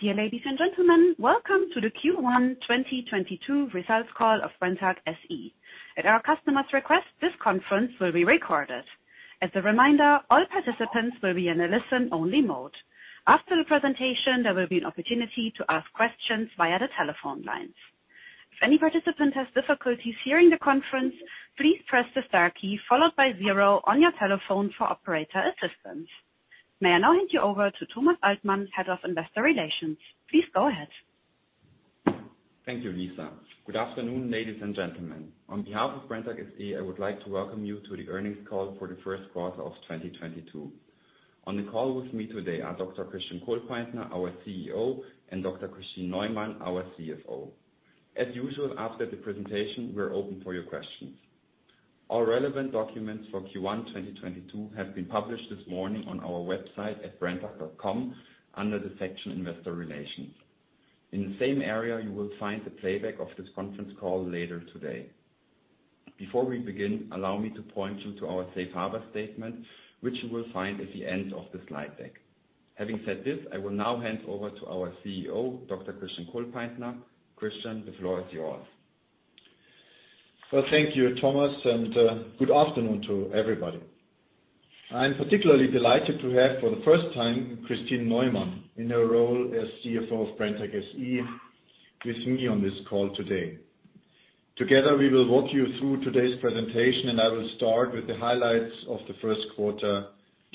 Dear ladies and gentlemen, welcome to the Q1 2022 results call of Brenntag SE. At our customer's request, this conference will be recorded. As a reminder, all participants will be in a listen-only mode. After the presentation, there will be an opportunity to ask questions via the telephone lines. If any participant has difficulties hearing the conference, please press the star key followed by zero on your telephone for operator assistance. May I now hand you over to Thomas Altmann, Head of Investor Relations. Please go ahead. Thank you, Lisa. Good afternoon, ladies and gentlemen. On behalf of Brenntag SE, I would like to welcome you to the earnings call for the first quarter of 2022. On the call with me today are Dr. Christian Kohlpaintner, our CEO, and Dr. Kristin Neumann, our CFO. As usual, after the presentation, we're open for your questions. All relevant documents for Q1 2022 have been published this morning on our website at brenntag.com under the section Investor Relations. In the same area, you will find the playback of this conference call later today. Before we begin, allow me to point you to our safe harbor statement, which you will find at the end of the slide deck. Having said this, I will now hand over to our CEO, Dr. Christian Kohlpaintner. Christian, the floor is yours. Well, thank you, Thomas, and good afternoon to everybody. I'm particularly delighted to have, for the first time, Kristin Neumann in her role as CFO of Brenntag SE with me on this call today. Together, we will walk you through today's presentation, and I will start with the highlights of the first quarter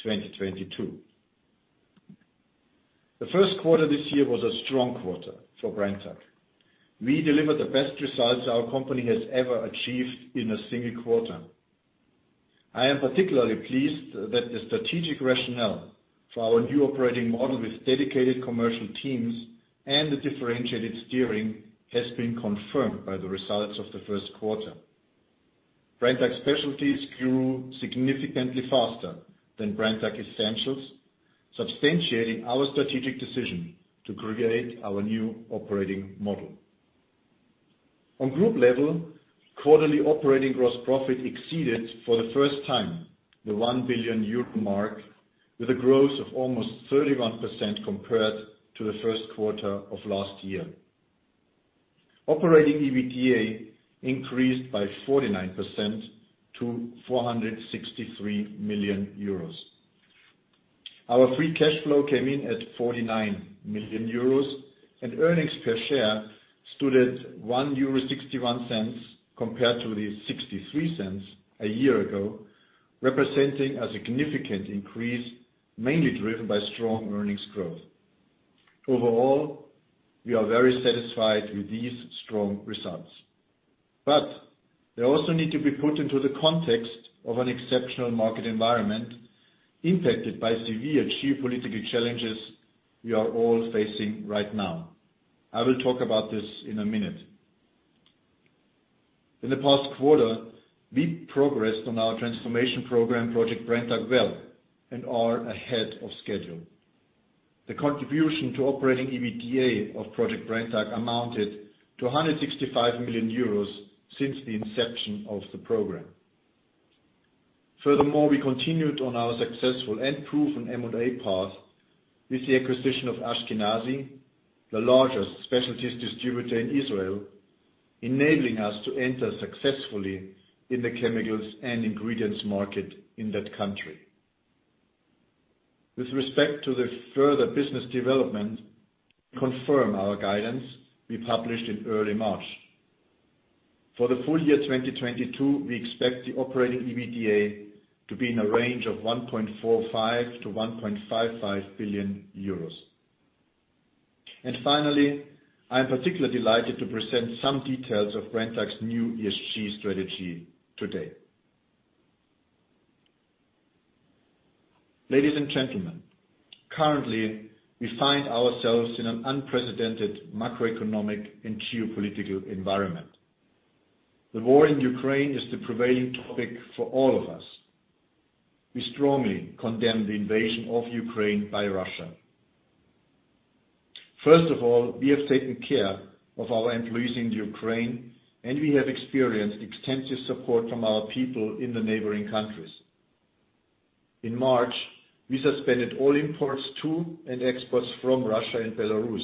2022. The first quarter this year was a strong quarter for Brenntag. We delivered the best results our company has ever achieved in a single quarter. I am particularly pleased that the strategic rationale for our new operating model with dedicated commercial teams and the differentiated steering has been confirmed by the results of the first quarter. Brenntag Specialties grew significantly faster than Brenntag Essentials, substantiating our strategic decision to create our new operating model. On group level, quarterly operating gross profit exceeded for the first time the 1 billion euro mark with a growth of almost 31% compared to the first quarter of last year. Operating EBITDA increased by 49% to 463 million euros. Our free cash flow came in at 49 million euros, and earnings per share stood at 1.61 euro compared to the 0.63 a year ago, representing a significant increase, mainly driven by strong earnings growth. Overall, we are very satisfied with these strong results. They also need to be put into the context of an exceptional market environment impacted by severe geopolitical challenges we are all facing right now. I will talk about this in a minute. In the past quarter, we progressed on our transformation program, Project Brenntag, and are ahead of schedule. The contribution to operating EBITDA of Project Brenntag amounted to 165 million euros since the inception of the program. Furthermore, we continued on our successful and proven M&A path with the acquisition of Y.S. Ashkenazi Agencies, the largest specialties distributor in Israel, enabling us to enter successfully in the chemicals and ingredients market in that country. With respect to the further business development, we confirm our guidance we published in early March. For the full year 2022, we expect the operating EBITDA to be in a range of 1.45 billion-1.55 billion euros. Finally, I am particularly delighted to present some details of Brenntag's new ESG strategy today. Ladies and gentlemen, currently, we find ourselves in an unprecedented macroeconomic and geopolitical environment. The war in Ukraine is the prevailing topic for all of us. We strongly condemn the invasion of Ukraine by Russia. First of all, we have taken care of our employees in Ukraine, and we have experienced extensive support from our people in the neighboring countries. In March, we suspended all imports to and exports from Russia and Belarus.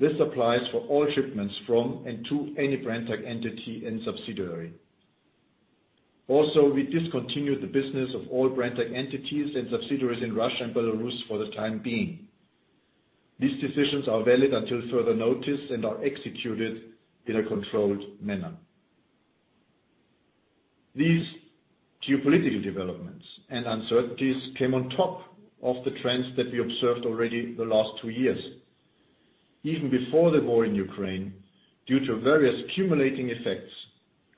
This applies for all shipments from and to any Brenntag entity and subsidiary. Also, we discontinued the business of all Brenntag entities and subsidiaries in Russia and Belarus for the time being. These decisions are valid until further notice and are executed in a controlled manner. These geopolitical developments and uncertainties came on top of the trends that we observed already the last two years. Even before the war in Ukraine, due to various accumulating effects,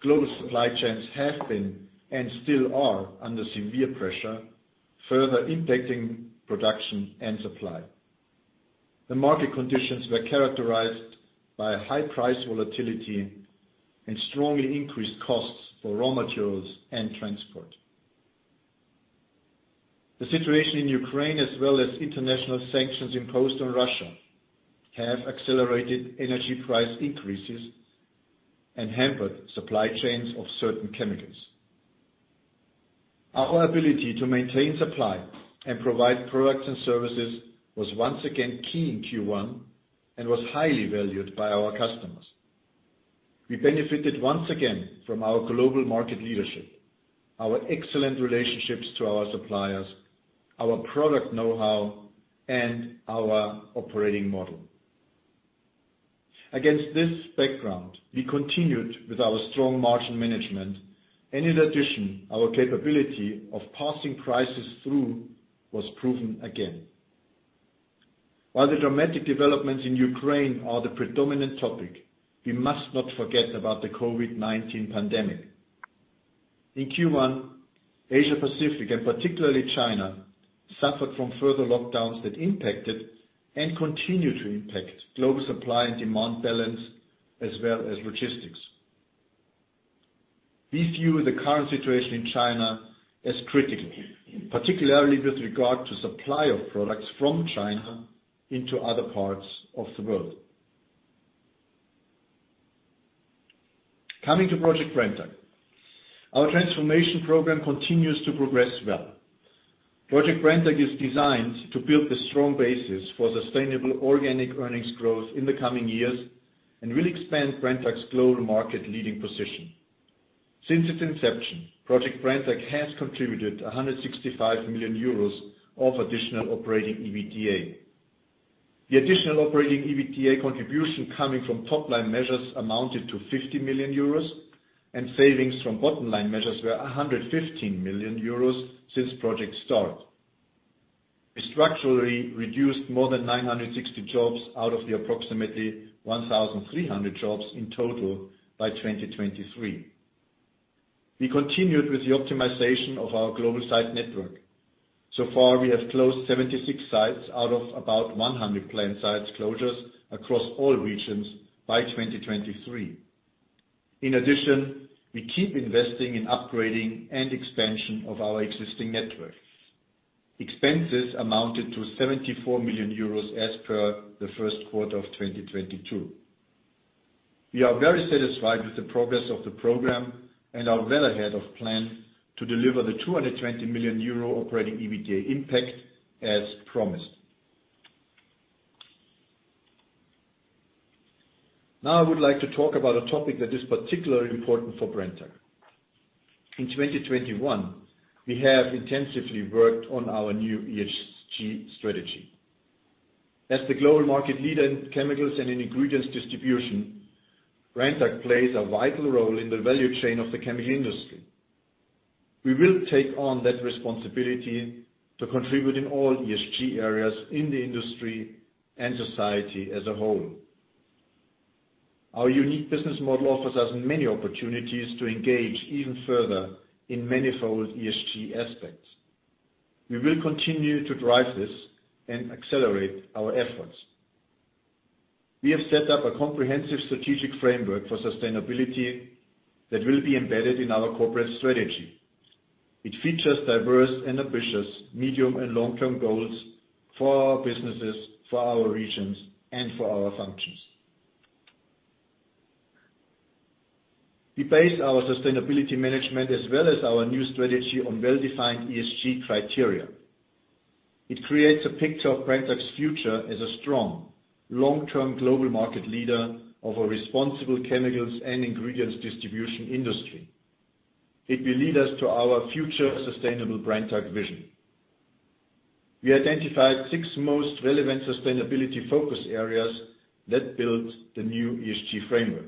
global supply chains have been, and still are, under severe pressure, further impacting production and supply. The market conditions were characterized by high price volatility and strongly increased costs for raw materials and transport. The situation in Ukraine as well as international sanctions imposed on Russia have accelerated energy price increases and hampered supply chains of certain chemicals. Our ability to maintain supply and provide products and services was once again key in Q1 and was highly valued by our customers. We benefited once again from our global market leadership, our excellent relationships to our suppliers, our product know-how, and our operating model. Against this background, we continued with our strong margin management and in addition, our capability of passing prices through was proven again. While the dramatic developments in Ukraine are the predominant topic, we must not forget about the COVID-19 pandemic. In Q1, Asia-Pacific, and particularly China, suffered from further lockdowns that impacted and continue to impact global supply and demand balance as well as logistics. We view the current situation in China as critical, particularly with regard to supply of products from China into other parts of the world. Coming to Project Brenntag. Our transformation program continues to progress well. Project Brenntag is designed to build the strong basis for sustainable organic earnings growth in the coming years and will expand Brenntag's global market leading position. Since its inception, Project Brenntag has contributed 165 million euros of additional operating EBITDA. The additional operating EBITDA contribution coming from top-line measures amounted to 50 million euros and savings from bottom-line measures were 115 million euros since project start. We structurally reduced more than 960 jobs out of the approximately 1,300 jobs in total by 2023. We continued with the optimization of our global site network. So far, we have closed 76 sites out of about 100 planned site closures across all regions by 2023. In addition, we keep investing in upgrading and expansion of our existing networks. Expenses amounted to 74 million euros as per the first quarter of 2022. We are very satisfied with the progress of the program and are well ahead of plan to deliver the 220 million euro operating EBITDA impact as promised. Now I would like to talk about a topic that is particularly important for Brenntag. In 2021, we have intensively worked on our new ESG strategy. As the global market leader in chemicals and ingredients distribution, Brenntag plays a vital role in the value chain of the chemical industry. We will take on that responsibility to contribute in all ESG areas in the industry and society as a whole. Our unique business model offers us many opportunities to engage even further in manifold ESG aspects. We will continue to drive this and accelerate our efforts. We have set up a comprehensive strategic framework for sustainability that will be embedded in our corporate strategy. It features diverse and ambitious medium and long-term goals for our businesses, for our regions, and for our functions. We base our sustainability management as well as our new strategy on well-defined ESG criteria. It creates a picture of Brenntag's future as a strong, long-term global market leader of a responsible chemicals and ingredients distribution industry. It will lead us to our future sustainable Brenntag vision. We identified six most relevant sustainability focus areas that build the new ESG framework.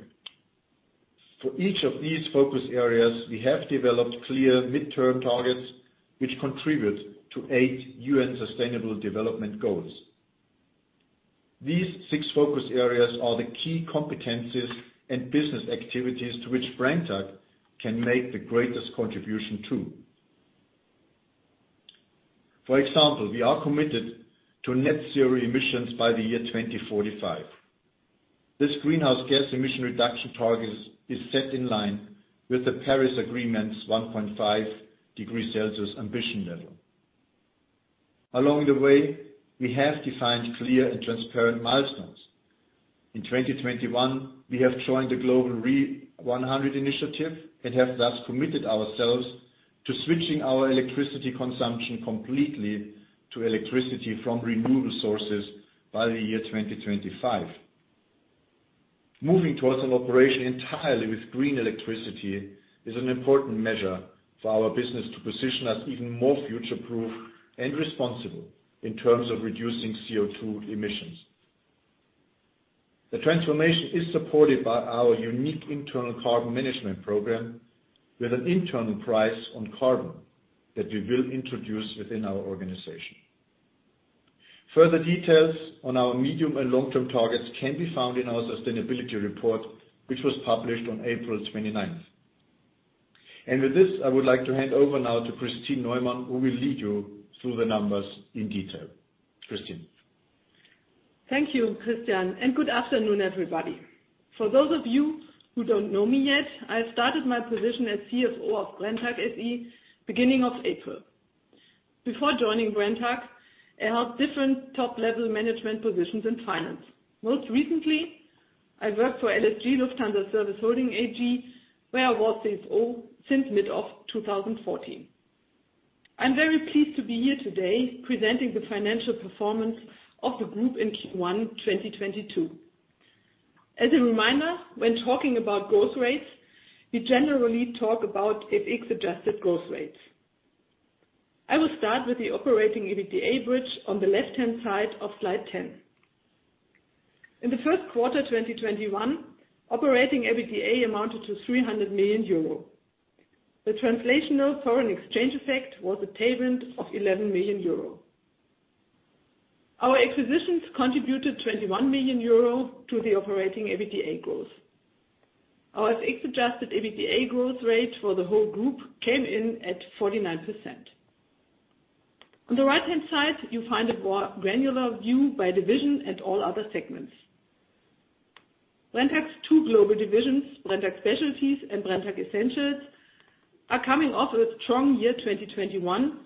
For each of these focus areas, we have developed clear midterm targets which contribute to eight UN Sustainable Development Goals. These six focus areas are the key competencies and business activities to which Brenntag can make the greatest contribution to. For example, we are committed to net zero emissions by the year 2045. This greenhouse gas emission reduction target is set in line with the Paris Agreement's 1.5 degrees Celsius ambition level. Along the way, we have defined clear and transparent milestones. In 2021, we have joined the Global RE100 initiative and have thus committed ourselves to switching our electricity consumption completely to electricity from renewable sources by the year 2025. Moving towards an operation entirely with green electricity is an important measure for our business to position us even more future-proof and responsible in terms of reducing CO2 emissions. The transformation is supported by our unique internal carbon management program with an internal price on carbon that we will introduce within our organization. Further details on our medium and long-term targets can be found in our sustainability report, which was published on April twenty-ninth. With this, I would like to hand over now to Kristin Neumann, who will lead you through the numbers in detail. Kristin. Thank you, Christian, and good afternoon, everybody. For those of you who don't know me yet, I started my position as CFO of Brenntag SE beginning of April. Before joining Brenntag, I held different top-level management positions in finance. Most recently, I worked for LSG Lufthansa Service Holding AG, where I was CFO since mid-2014. I'm very pleased to be here today presenting the financial performance of the group in Q1 2022. As a reminder, when talking about growth rates, we generally talk about FX-adjusted growth rates. I will start with the operating EBITDA bridge on the left-hand side of slide 10. In the first quarter 2021, operating EBITDA amounted to 300 million euro. The translational foreign exchange effect was a tailwind of 11 million euro. Our acquisitions contributed 21 million euro to the operating EBITDA growth. Our FX-adjusted EBITDA growth rate for the whole group came in at 49%. On the right-hand side, you find a more granular view by division and all other segments. Brenntag's two global divisions, Brenntag Specialties and Brenntag Essentials, are coming off a strong year, 2021,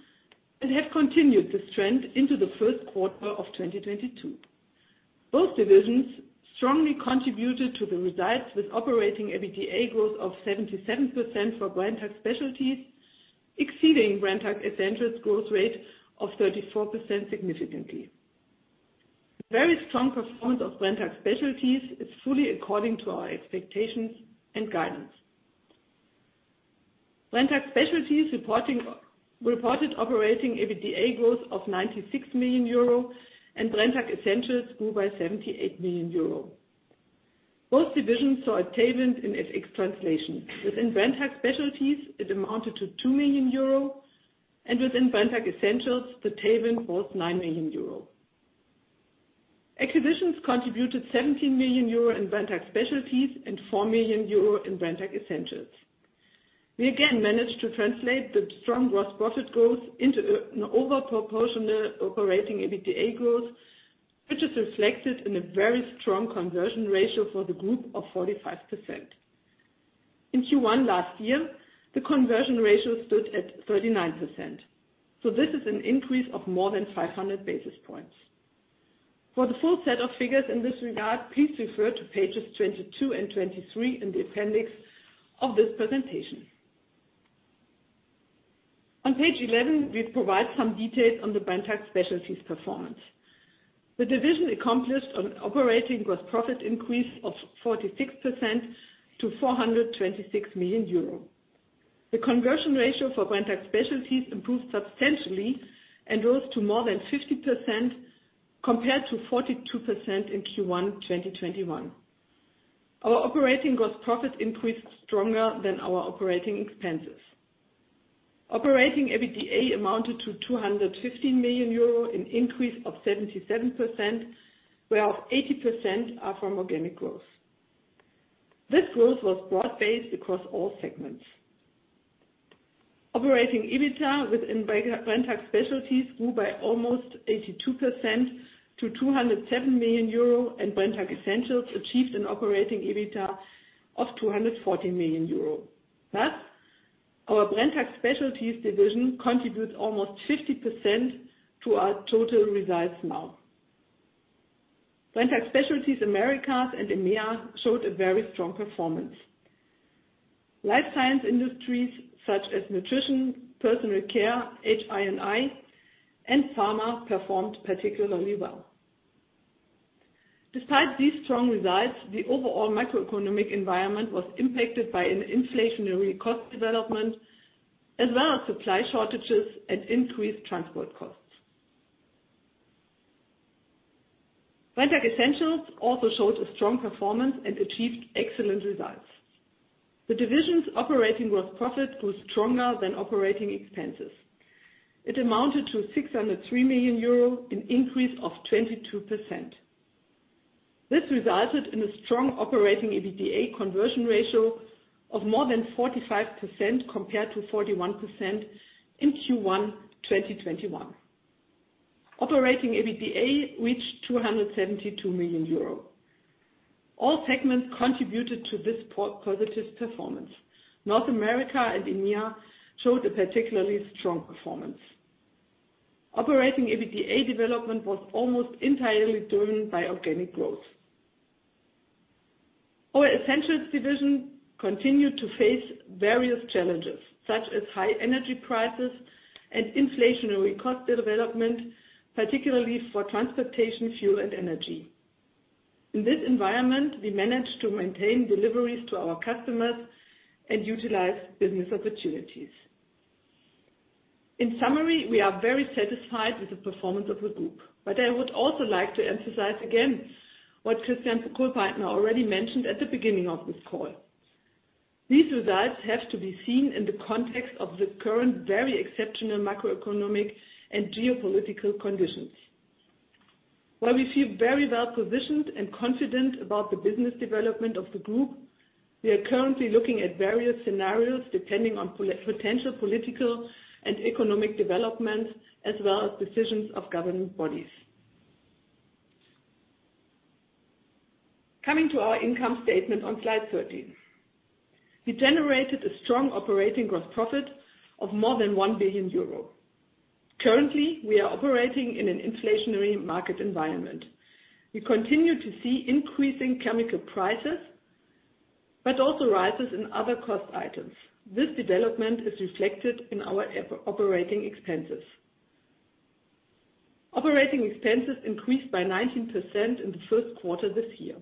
and have continued this trend into the first quarter of 2022. Both divisions strongly contributed to the results with operating EBITDA growth of 77% for Brenntag Specialties, exceeding Brenntag Essentials growth rate of 34% significantly. The very strong performance of Brenntag Specialties is fully according to our expectations and guidance. Brenntag Specialties reported operating EBITDA growth of 96 million euro and Brenntag Essentials grew by 78 million euro. Both divisions saw a tailwind in FX translation. Within Brenntag Specialties, it amounted to 2 million euro and within Brenntag Essentials, the tailwind was 9 million euro. Acquisitions contributed 17 million euro in Brenntag Specialties and 4 million euro in Brenntag Essentials. We again managed to translate the strong gross profit growth into an overproportional operating EBITDA growth, which is reflected in a very strong conversion ratio for the group of 45%. In Q1 last year, the conversion ratio stood at 39%, so this is an increase of more than 500 basis points. For the full set of figures in this regard, please refer to pages 22 and 23 in the appendix of this presentation. On page 11, we provide some details on the Brenntag Specialties performance. The division accomplished an operating gross profit increase of 46% to 426 million euro. The conversion ratio for Brenntag Specialties improved substantially and rose to more than 50% compared to 42% in Q1 2021. Our operating gross profit increased stronger than our operating expenses. Operating EBITDA amounted to 215 million euros, an increase of 77%, whereof 80% are from organic growth. This growth was broad-based across all segments. Operating EBITA within Brenntag Specialties grew by almost 82% to 207 million euro, and Brenntag Essentials achieved an operating EBITA of 240 million euro. Thus, our Brenntag Specialties division contributes almost 50% to our total results now. Brenntag Specialties Americas and EMEA showed a very strong performance. Life science industries, such as nutrition, personal care, HI&I, and pharma performed particularly well. Despite these strong results, the overall macroeconomic environment was impacted by an inflationary cost development as well as supply shortages and increased transport costs. Brenntag Essentials also showed a strong performance and achieved excellent results. The division's operating gross profit grew stronger than operating expenses. It amounted to 603 million euro, an increase of 22%. This resulted in a strong operating EBITDA conversion ratio of more than 45% compared to 41% in Q1 2021. Operating EBITDA reached 272 million euro. All segments contributed to this positive performance. North America and EMEA showed a particularly strong performance. Operating EBITDA development was almost entirely driven by organic growth. Our Essentials division continued to face various challenges, such as high energy prices and inflationary cost development, particularly for transportation, fuel, and energy. In this environment, we managed to maintain deliveries to our customers and utilize business opportunities. In summary, we are very satisfied with the performance of the group, but I would also like to emphasize again what Christian Kohlpaintner already mentioned at the beginning of this call. These results have to be seen in the context of the current very exceptional macroeconomic and geopolitical conditions. While we feel very well positioned and confident about the business development of the group, we are currently looking at various scenarios depending on potential political and economic developments as well as decisions of governing bodies. Coming to our income statement on slide 13. We generated a strong operating gross profit of more than 1 billion euro. Currently, we are operating in an inflationary market environment. We continue to see increasing chemical prices, but also rises in other cost items. This development is reflected in our operating expenses. Operating expenses increased by 19% in the first quarter this year.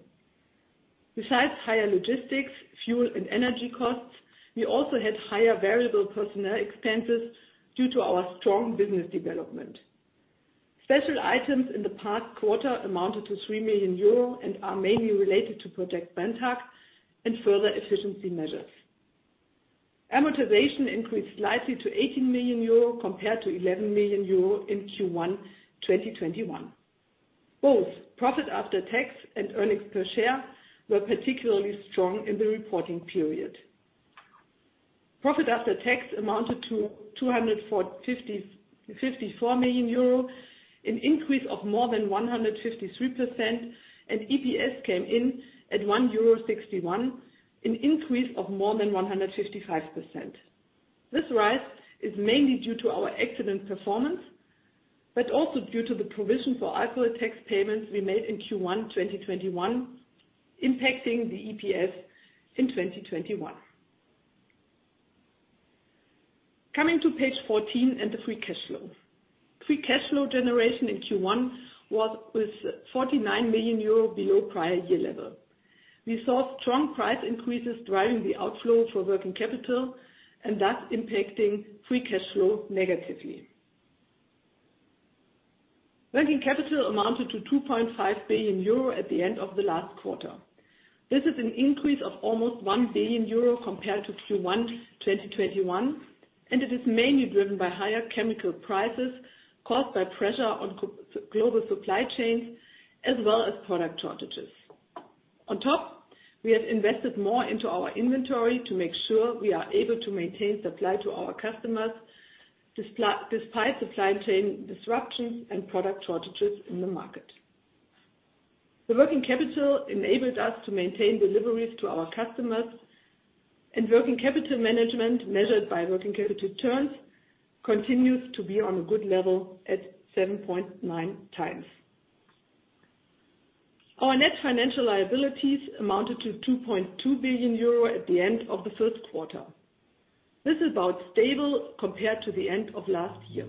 Besides higher logistics, fuel and energy costs, we also had higher variable personnel expenses due to our strong business development. Special items in the past quarter amounted to 3 million euro and are mainly related to Project Brenntag and further efficiency measures. Amortization increased slightly to 18 million euro compared to 11 million euro in Q1 2021. Both profit after tax and earnings per share were particularly strong in the reporting period. Profit after tax amounted to 254 million euro, an increase of more than 153%, and EPS came in at 1.61 euro, an increase of more than 155%. This rise is mainly due to our excellent performance, but also due to the provision for IFRIC tax payments we made in Q1 2021 impacting the EPS in 2021. Coming to page 14 and the free cash flow. Free cash flow generation in Q1 was 49 million euro below prior year level. We saw strong price increases driving the outflow for working capital and thus impacting free cash flow negatively. Working capital amounted to 2.5 billion euro at the end of the last quarter. This is an increase of almost 1 billion euro compared to Q1 2021, and it is mainly driven by higher chemical prices caused by pressure on global supply chains as well as product shortages. On top, we have invested more into our inventory to make sure we are able to maintain supply to our customers despite supply chain disruptions and product shortages in the market. The working capital enabled us to maintain deliveries to our customers and working capital management measured by working capital turns continues to be on a good level at 7.9 times. Our net financial liabilities amounted to 2.2 billion euro at the end of the first quarter. This is about as stable compared to the end of last year.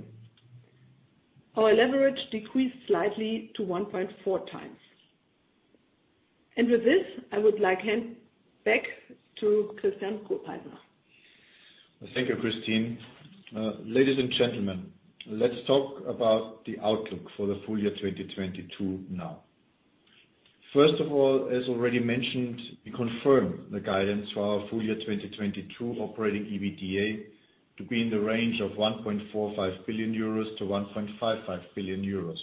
Our leverage decreased slightly to 1.4 times. With this, I would like to hand back to Christian Kohlpaintner. Thank you, Christine. Ladies and gentlemen, let's talk about the outlook for the full year 2022 now. First of all, as already mentioned, we confirm the guidance for our full year 2022 operating EBITDA to be in the range of 1.45 billion-1.55 billion euros.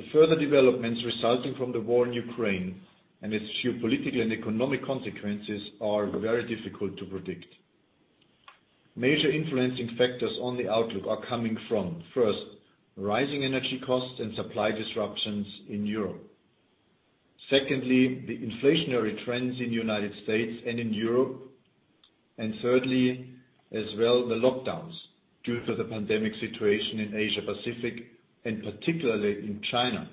The further developments resulting from the war in Ukraine and its geopolitical and economic consequences are very difficult to predict. Major influencing factors on the outlook are coming from, first, rising energy costs and supply disruptions in Europe. Secondly, the inflationary trends in the United States and in Europe. Thirdly, as well, the lockdowns due to the pandemic situation in Asia-Pacific and particularly in China.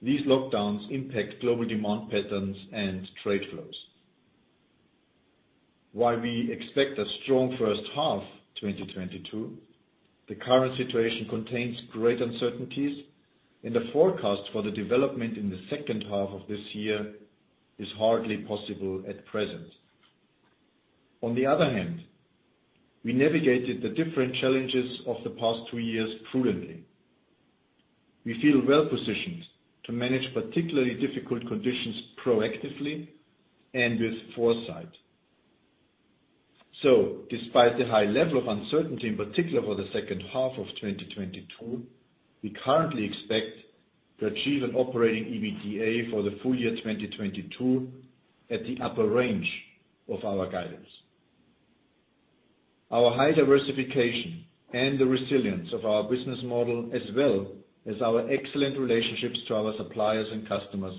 These lockdowns impact global demand patterns and trade flows. While we expect a strong first half 2022, the current situation contains great uncertainties, and the forecast for the development in the second half of this year is hardly possible at present. On the other hand, we navigated the different challenges of the past two years prudently. We feel well positioned to manage particularly difficult conditions proactively and with foresight. Despite the high level of uncertainty, in particular for the second half of 2022, we currently expect to achieve an operating EBITDA for the full year 2022 at the upper range of our guidance. Our high diversification and the resilience of our business model, as well as our excellent relationships to our suppliers and customers,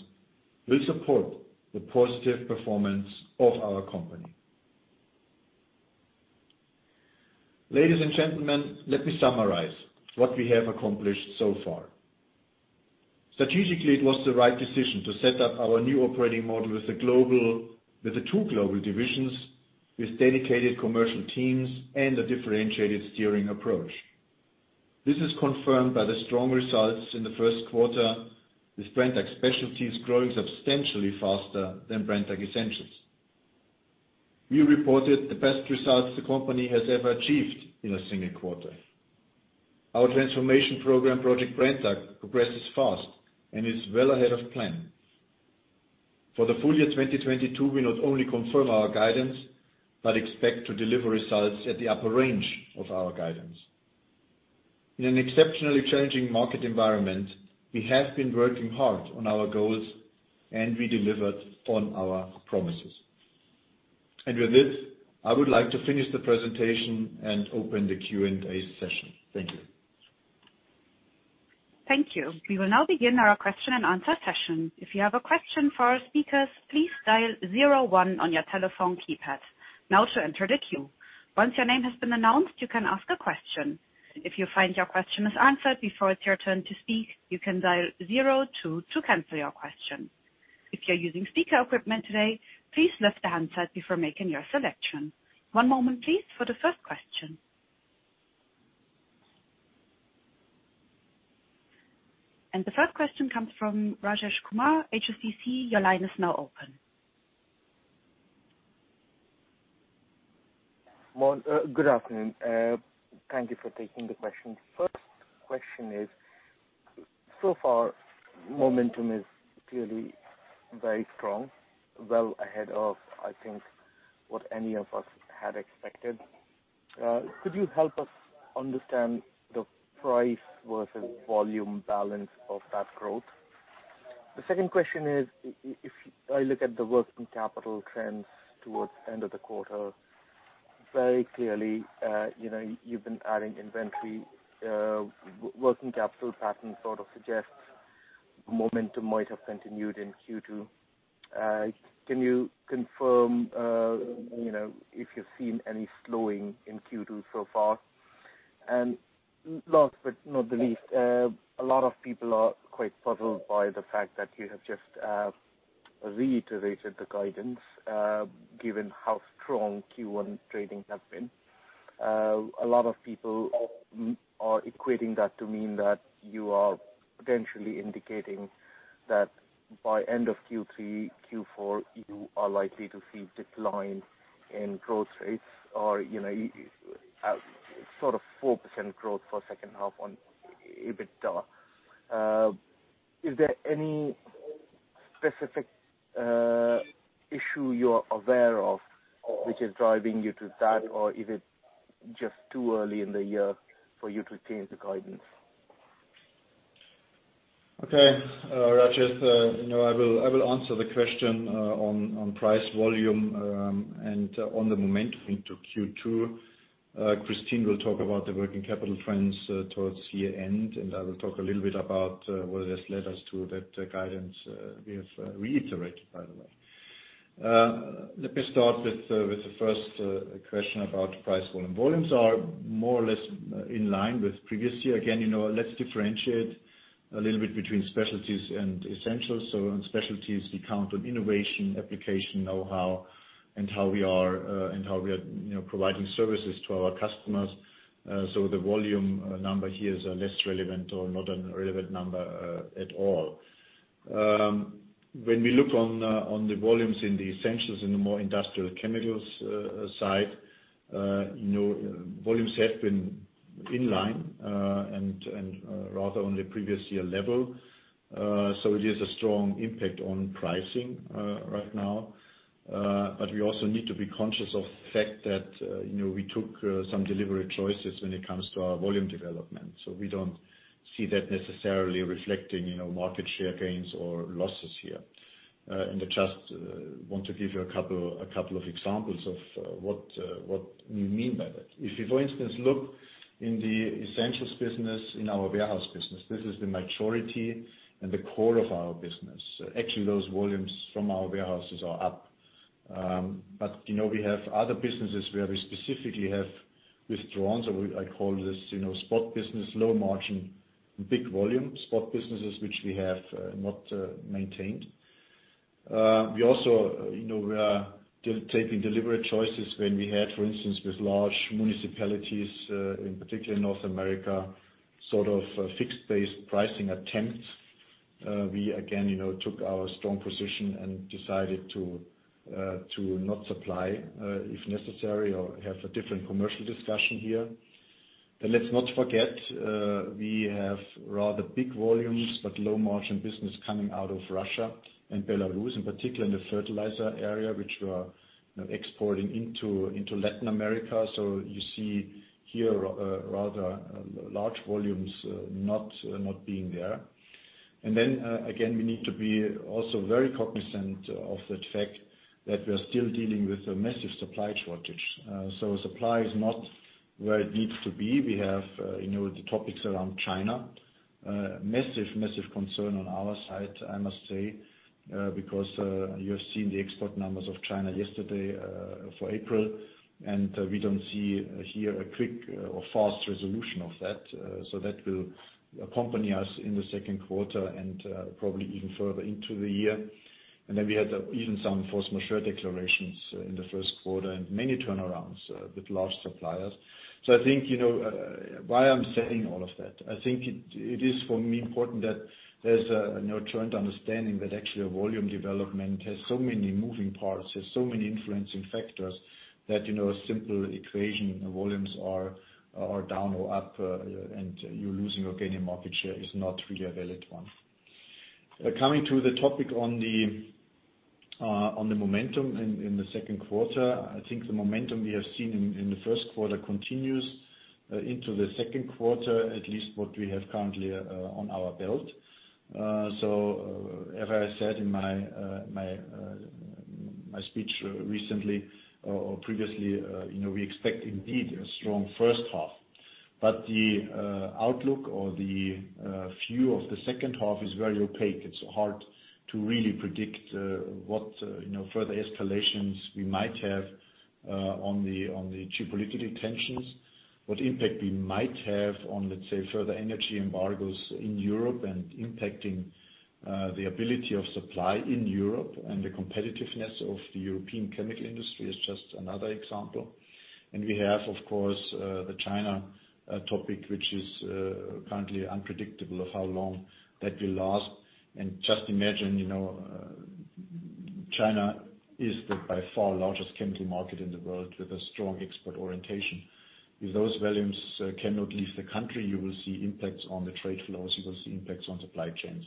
will support the positive performance of our company. Ladies and gentlemen, let me summarize what we have accomplished so far. Strategically, it was the right decision to set up our new operating model with the two global divisions, with dedicated commercial teams and a differentiated steering approach. This is confirmed by the strong results in the first quarter, with Brenntag Specialties growing substantially faster than Brenntag Essentials. We reported the best results the company has ever achieved in a single quarter. Our transformation program, Project Brenntag, progresses fast and is well ahead of plan. For the full year 2022, we not only confirm our guidance, but expect to deliver results at the upper range of our guidance. In an exceptionally changing market environment, we have been working hard on our goals, and we delivered on our promises. With this, I would like to finish the presentation and open the Q&A session. Thank you. Thank you. We will now begin our question and answer session. If you have a question for our speakers, please dial zero one on your telephone keypad. Now to introduce you. Once your name has been announced, you can ask a question. If you find your question is answered before it's your turn to speak, you can dial zero two to cancel your question. If you're using speaker equipment today, please lift the handset before making your selection. One moment, please, for the first question. The first question comes from Rajesh Kumar, HSBC. Your line is now open. Well, good afternoon. Thank you for taking the questions. First question is, so far, momentum is clearly very strong. Well ahead of, I think, what any of us had expected. Could you help us understand the price versus volume balance of that growth? The second question is, if I look at the working capital trends towards end of the quarter, very clearly, you know, you've been adding inventory. Working capital pattern sort of suggests momentum might have continued in Q2. Can you confirm, you know, if you've seen any slowing in Q2 so far? Last but not the least, a lot of people are quite puzzled by the fact that you have just reiterated the guidance, given how strong Q1 trading has been. A lot of people are equating that to mean that you are potentially indicating that by end of Q3, Q4, you are likely to see decline in growth rates or, you know, sort of 4% growth for second half on EBITDA. Is there any specific issue you're aware of which is driving you to that, or is it just too early in the year for you to change the guidance? Okay. Rajesh, you know, I will answer the question on price volume and on the momentum into Q2. Kristin will talk about the working capital trends towards year-end, and I will talk a little bit about what has led us to that guidance we have reiterated, by the way. Let me start with the first question about price volume. Volumes are more or less in line with previous year. Again, you know, let's differentiate a little bit between specialties and essentials. On specialties, we count on innovation, application, know-how, and how we are providing services to our customers. The volume number here is less relevant or not a relevant number at all. When we look on the volumes in the Essentials, in the more industrial chemicals side, you know, volumes have been in line and rather on the previous year level. It is a strong impact on pricing right now. We also need to be conscious of the fact that, you know, we took some deliberate choices when it comes to our volume development. We don't see that necessarily reflecting, you know, market share gains or losses here. I just want to give you a couple of examples of what we mean by that. If you, for instance, look in the Essentials business, in our warehouse business, this is the maturity and the core of our business. Actually, those volumes from our warehouses are up. You know, we have other businesses where we specifically have withdrawn. I call this, you know, spot business, low margin, big volume. Spot businesses which we have not maintained. We also, you know, we are taking deliberate choices when we had, for instance, with large municipalities, in particular in North America, sort of fixed price, pricing attempts. We again, you know, took our strong position and decided to not supply, if necessary, or have a different commercial discussion here. Let's not forget, we have rather big volumes but low margin business coming out of Russia and Belarus, in particular in the fertilizer area, which we are, you know, exporting into Latin America. You see here, rather large volumes not being there. Again, we need to be also very cognizant of that fact that we are still dealing with a massive supply shortage. Supply is not where it needs to be. We have, you know, the topics around China. Massive concern on our side, I must say, because you have seen the export numbers of China yesterday, for April, and we don't see here a quick or fast resolution of that. That will accompany us in the second quarter and, probably even further into the year. We had even some force majeure declarations in the first quarter and many turnarounds with large suppliers. I think, you know, why I'm saying all of that, I think it is for me important that there's a, you know, joint understanding that actually a volume development has so many moving parts, has so many influencing factors that, you know, a simple equation, volumes are down or up, and you're losing or gaining market share is not really a valid one. Coming to the topic on the momentum in the second quarter, I think the momentum we have seen in the first quarter continues into the second quarter, at least what we have currently on our belt. As I said in my speech recently, or previously, you know, we expect indeed a strong first half. The outlook or the view of the second half is very opaque. It's hard to really predict what you know further escalations we might have on the geopolitical tensions. What impact we might have on, let's say, further energy embargoes in Europe and impacting the ability of supply in Europe and the competitiveness of the European chemical industry is just another example. We have, of course, the China topic, which is currently unpredictable of how long that will last. Just imagine, you know, China is the by far largest chemical market in the world with a strong export orientation. If those volumes cannot leave the country, you will see impacts on the trade flows, you will see impacts on supply chains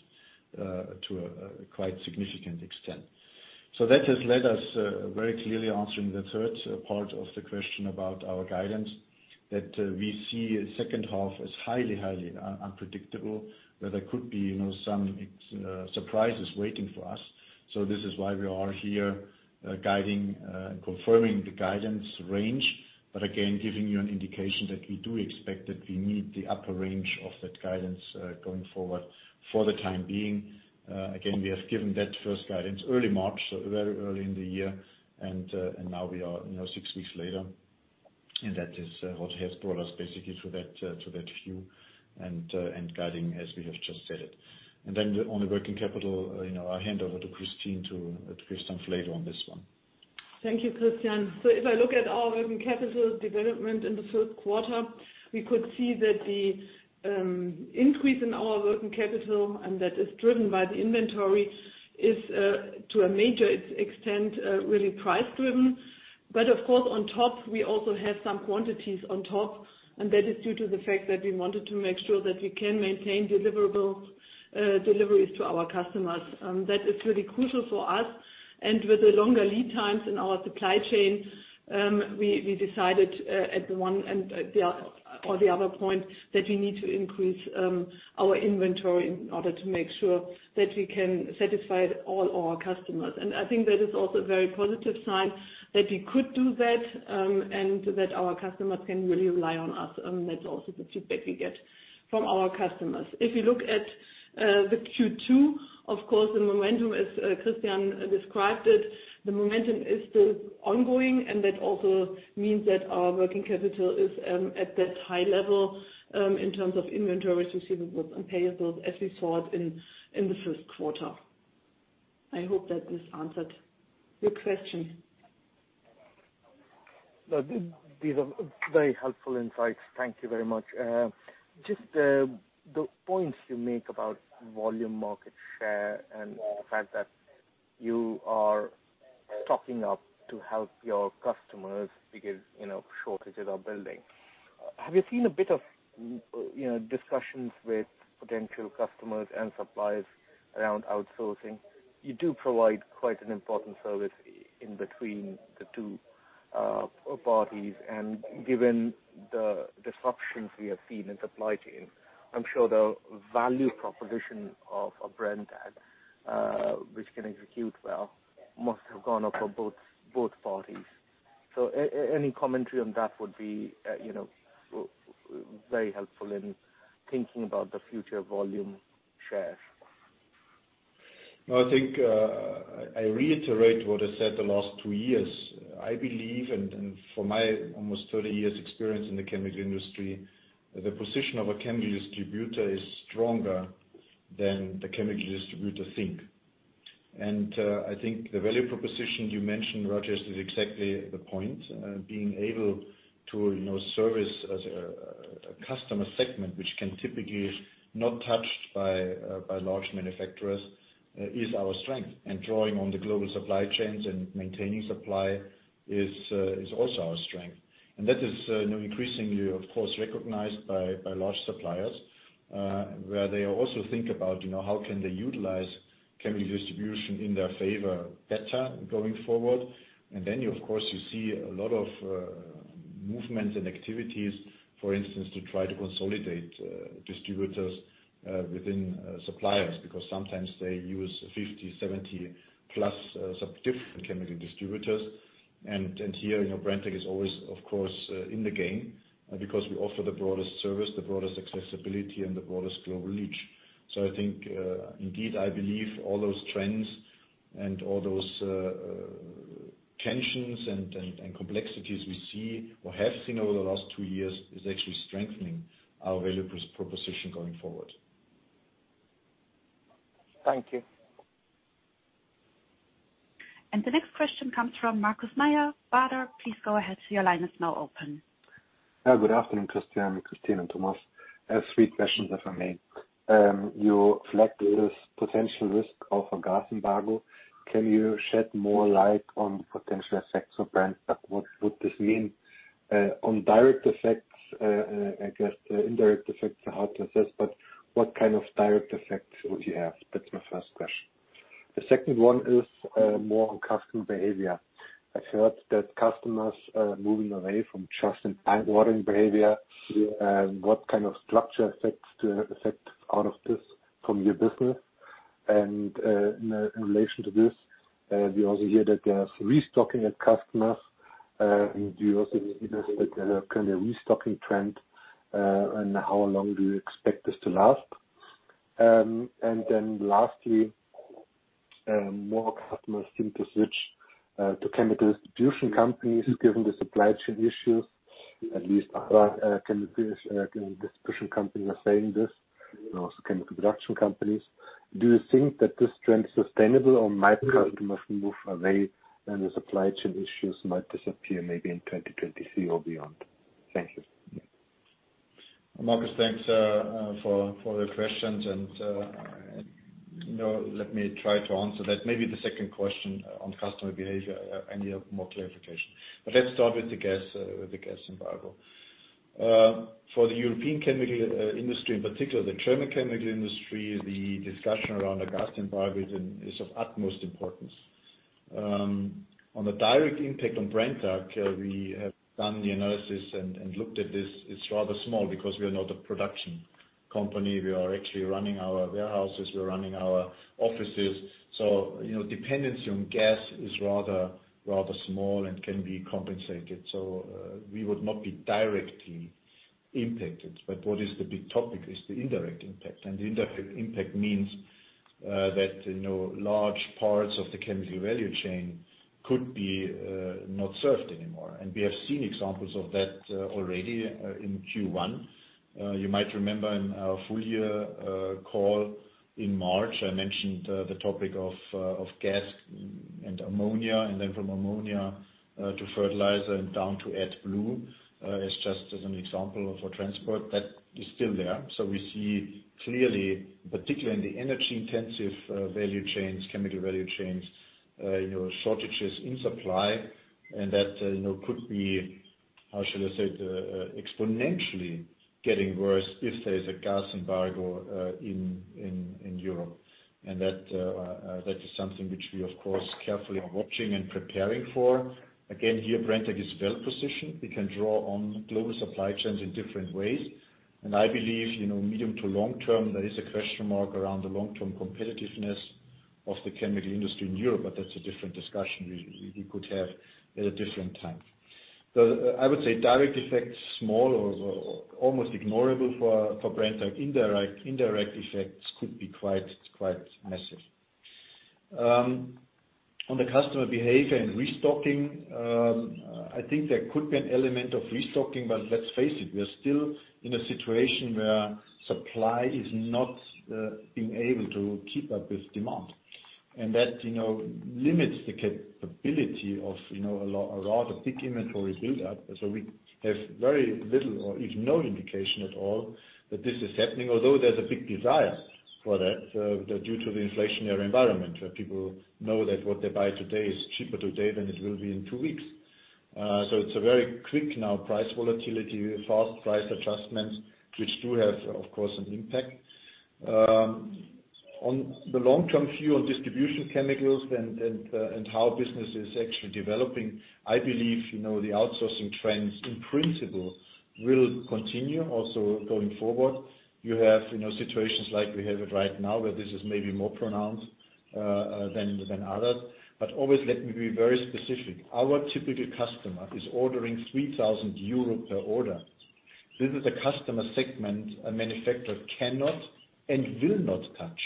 to a quite significant extent. That has led us very clearly answering the third part of the question about our guidance, that we see a second half as highly unpredictable. That there could be, you know, some surprises waiting for us. This is why we are here guiding confirming the guidance range. Again, giving you an indication that we do expect that we need the upper range of that guidance going forward for the time being. Again, we have given that first guidance early March, so very early in the year, and now we are, you know, six weeks later. That is what has brought us basically to that view and guiding as we have just said it. On the working capital, you know, I'll hand over to Kristin Neumann on this one. Thank you, Christian. If I look at our working capital development in the first quarter, we could see that the increase in our working capital, and that is driven by the inventory, is to a major extent really price driven. But of course, on top, we also have some quantities on top, and that is due to the fact that we wanted to make sure that we can maintain deliverable deliveries to our customers. That is really crucial for us. With the longer lead times in our supply chain, we decided on the one hand or the other that we need to increase our inventory in order to make sure that we can satisfy all our customers. I think that is also a very positive sign that we could do that, and that our customers can really rely on us. That's also the feedback we get from our customers. If you look at the Q2, of course, the momentum as Christian described it, the momentum is still ongoing and that also means that our working capital is at that high level in terms of inventories, receivables and payables as we saw it in the first quarter. I hope that this answered your question. No, these are very helpful insights. Thank you very much. Just the points you make about volume market share and the fact that you are stocking up to help your customers because, you know, shortages are building. Have you seen a bit of, you know, discussions with potential customers and suppliers around outsourcing? You do provide quite an important service in between the two parties. Given the disruptions we have seen in supply chain, I'm sure the value proposition of a brand that which can execute well must have gone up for both parties. Any commentary on that would be, you know, very helpful in thinking about the future volume share. No, I think, I reiterate what I said the last two years. I believe and from my almost 30 years experience in the chemical industry, the position of a chemical distributor is stronger than the chemical distributors think. I think the value proposition you mentioned, Rajesh Kumar, is exactly the point. Being able to serve a customer segment which typically is not touched by large manufacturers is our strength. Drawing on the global supply chains and maintaining supply is also our strength. That is increasingly of course recognized by large suppliers where they also think about how can they utilize chemical distribution in their favor better going forward. Then you of course see a lot of movements and activities, for instance, to try to consolidate distributors within suppliers. Because sometimes they use 50, 70-plus some different chemical distributors. Here, you know, Brenntag is always of course in the game because we offer the broadest service, the broadest accessibility and the broadest global reach. I think indeed I believe all those trends and all those tensions and complexities we see or have seen over the last two years is actually strengthening our value proposition going forward. Thank you. The next question comes from Markus Mayer, Baader. Please go ahead, your line is now open. Good afternoon, Christian, Kristin and Thomas. I have three questions if I may. You flagged this potential risk of a gas embargo. Can you shed more light on the potential effects of Brenntag? What would this mean on direct effects? I guess the indirect effects are hard to assess, but what kind of direct effects would you have? That's my first question. The second one is more on customer behavior. I've heard that customers are moving away from just-in-time ordering behavior. What kind of structural effects out of this from your business? In relation to this, we also hear that there are restocking at customers. Do you also see this, like kind of restocking trend, and how long do you expect this to last? Lastly, more customers seem to switch to chemical distribution companies given the supply chain issues. At least other chemical distribution companies are saying this, and also chemical production companies. Do you think that this trend is sustainable or might customers move away when the supply chain issues might disappear maybe in 2023 or beyond? Thank you. Markus, thanks for the questions and, you know, let me try to answer that. Maybe the second question on customer behavior, I need more clarification. Let's start with the gas embargo. For the European chemical industry, in particular the German chemical industry, the discussion around the gas embargo is of utmost importance. On the direct impact on Brenntag, we have done the analysis and looked at this. It's rather small because we are not a production company. We are actually running our warehouses, we're running our offices. You know, dependency on gas is rather small and can be compensated. We would not be directly impacted. What is the big topic is the indirect impact. The indirect impact means that, you know, large parts of the chemical value chain could be not served anymore. We have seen examples of that already in Q1. You might remember in our full year call in March, I mentioned the topic of gas and ammonia, and then from ammonia to fertilizer and down to AdBlue is just as an example for transport. That is still there. We see clearly, particularly in the energy-intensive value chains, chemical value chains, you know, shortages in supply and that, you know, could be, how should I say it, exponentially getting worse if there is a gas embargo in Europe. That is something which we of course carefully are watching and preparing for. Again, here, Brenntag is well positioned. We can draw on global supply chains in different ways. I believe, you know, medium to long term, there is a question mark around the long-term competitiveness of the chemical industry in Europe, but that's a different discussion we could have at a different time. I would say direct effects, small or almost ignorable for Brenntag. Indirect effects could be quite massive. On the customer behavior and restocking, I think there could be an element of restocking, but let's face it, we are still in a situation where supply is not being able to keep up with demand. That, you know, limits the capability of, you know, a lot of big inventory build-up. We have very little or even no indication at all that this is happening although there's a big desire for that due to the inflationary environment where people know that what they buy today is cheaper today than it will be in two weeks. It's a very quick now price volatility, fast price adjustments, which do have, of course, an impact on the long-term view on chemical distribution and how business is actually developing. I believe you know the outsourcing trends in principle will continue also going forward. You have you know situations like we have it right now where this is maybe more pronounced than others. Always let me be very specific. Our typical customer is ordering 3,000 euro per order. This is a customer segment a manufacturer cannot and will not touch.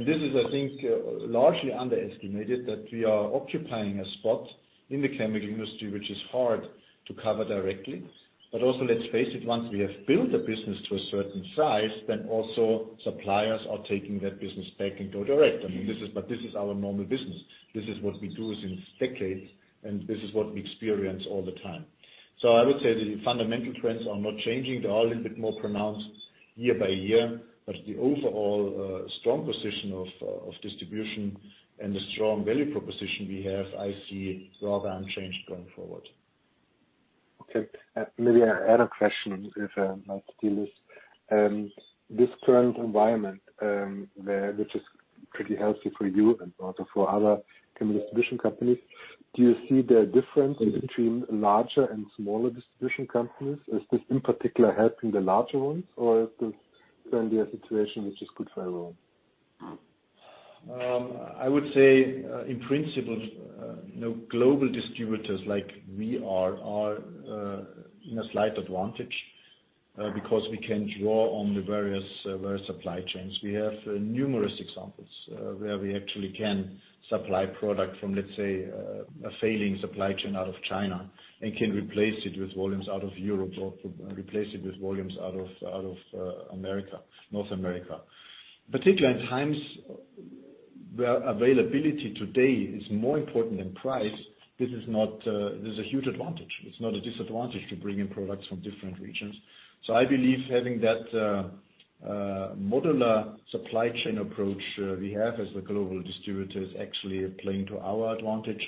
This is, I think, largely underestimated that we are occupying a spot in the chemical industry which is hard to cover directly. Also, let's face it, once we have built a business to a certain size, then also suppliers are taking that business back and go direct. I mean, this is our normal business. This is what we do since decades, and this is what we experience all the time. I would say the fundamental trends are not changing. They are a little bit more pronounced year by year. The overall, strong position of distribution and the strong value proposition we have, I see rather unchanged going forward. Okay. Maybe I add a question if I might still list. This current environment, which is pretty healthy for you and also for other chemical distribution companies, do you see the difference between larger and smaller distribution companies? Is this in particular helping the larger ones or is this currently a situation which is good for everyone? I would say, in principle, you know, global distributors like we are in a slight advantage, because we can draw on the various supply chains. We have numerous examples where we actually can supply product from, let's say, a failing supply chain out of China and can replace it with volumes out of Europe or replace it with volumes out of America, North America. Particularly in times where availability today is more important than price, this is a huge advantage. It's not a disadvantage to bring in products from different regions. I believe having that modular supply chain approach we have as the global distributor is actually playing to our advantage.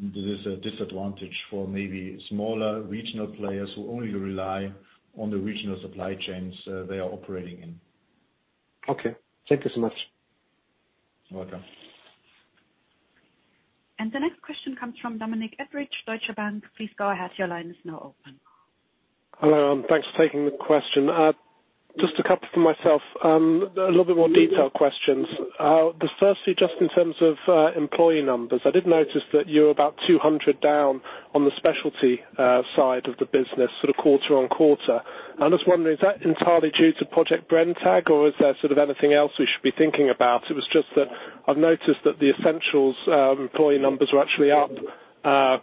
This is a disadvantage for maybe smaller regional players who only rely on the regional supply chains they are operating in. Okay. Thank you so much. You're welcome. The next question comes from Dominic Edridge, Deutsche Bank. Please go ahead. Your line is now open. Hello, and thanks for taking the question. Just a couple from myself. A little bit more detailed questions. Firstly, just in terms of employee numbers, I did notice that you're about 200 down on the Specialties side of the business sort of quarter-on-quarter. I was wondering, is that entirely due to Project Brenntag, or is there sort of anything else we should be thinking about? It was just that I've noticed that the Essentials employee numbers are actually up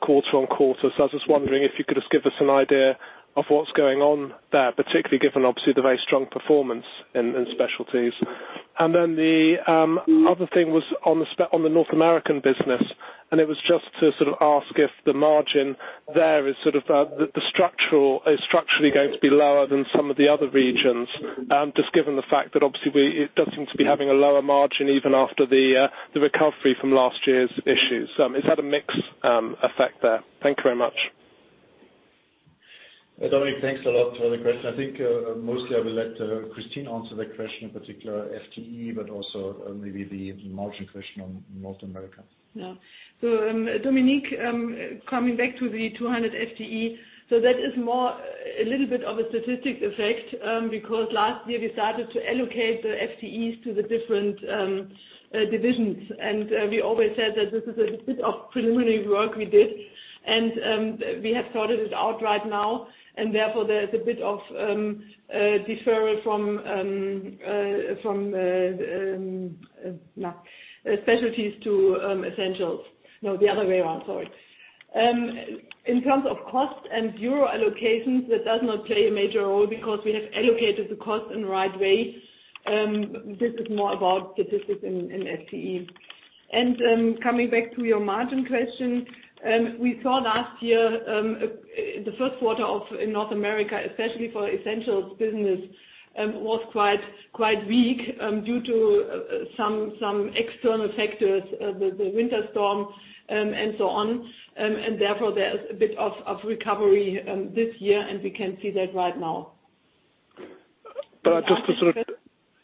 quarter-on-quarter. I was just wondering if you could just give us an idea of what's going on there, particularly given obviously the very strong performance in Specialties. The other thing was on the North American business, and it was just to sort of ask if the margin there is sort of structurally going to be lower than some of the other regions, just given the fact that obviously it does seem to be having a lower margin even after the recovery from last year's issues. Is that a mix effect there? Thank you very much. Dominic, thanks a lot for the question. I think, mostly I will let, Kristin answer that question, in particular FTE, but also, maybe the margin question on North America. Dominic, coming back to the 200 FTE. That is more a little bit of a statistical effect, because last year we started to allocate the FTEs to the different divisions. We always said that this is a bit of preliminary work we did and we have sorted it out right now. Therefore, there's a bit of deferral from Specialties to Essentials. No, the other way around. Sorry. In terms of cost and burden allocations, that does not play a major role because we have allocated the cost in the right way. This is more about statistics in FTE. Coming back to your margin question, we saw last year the first quarter of North America, especially for Essentials business, was quite weak due to some external factors, the winter storm, and so on. Therefore there's a bit of recovery this year, and we can see that right now.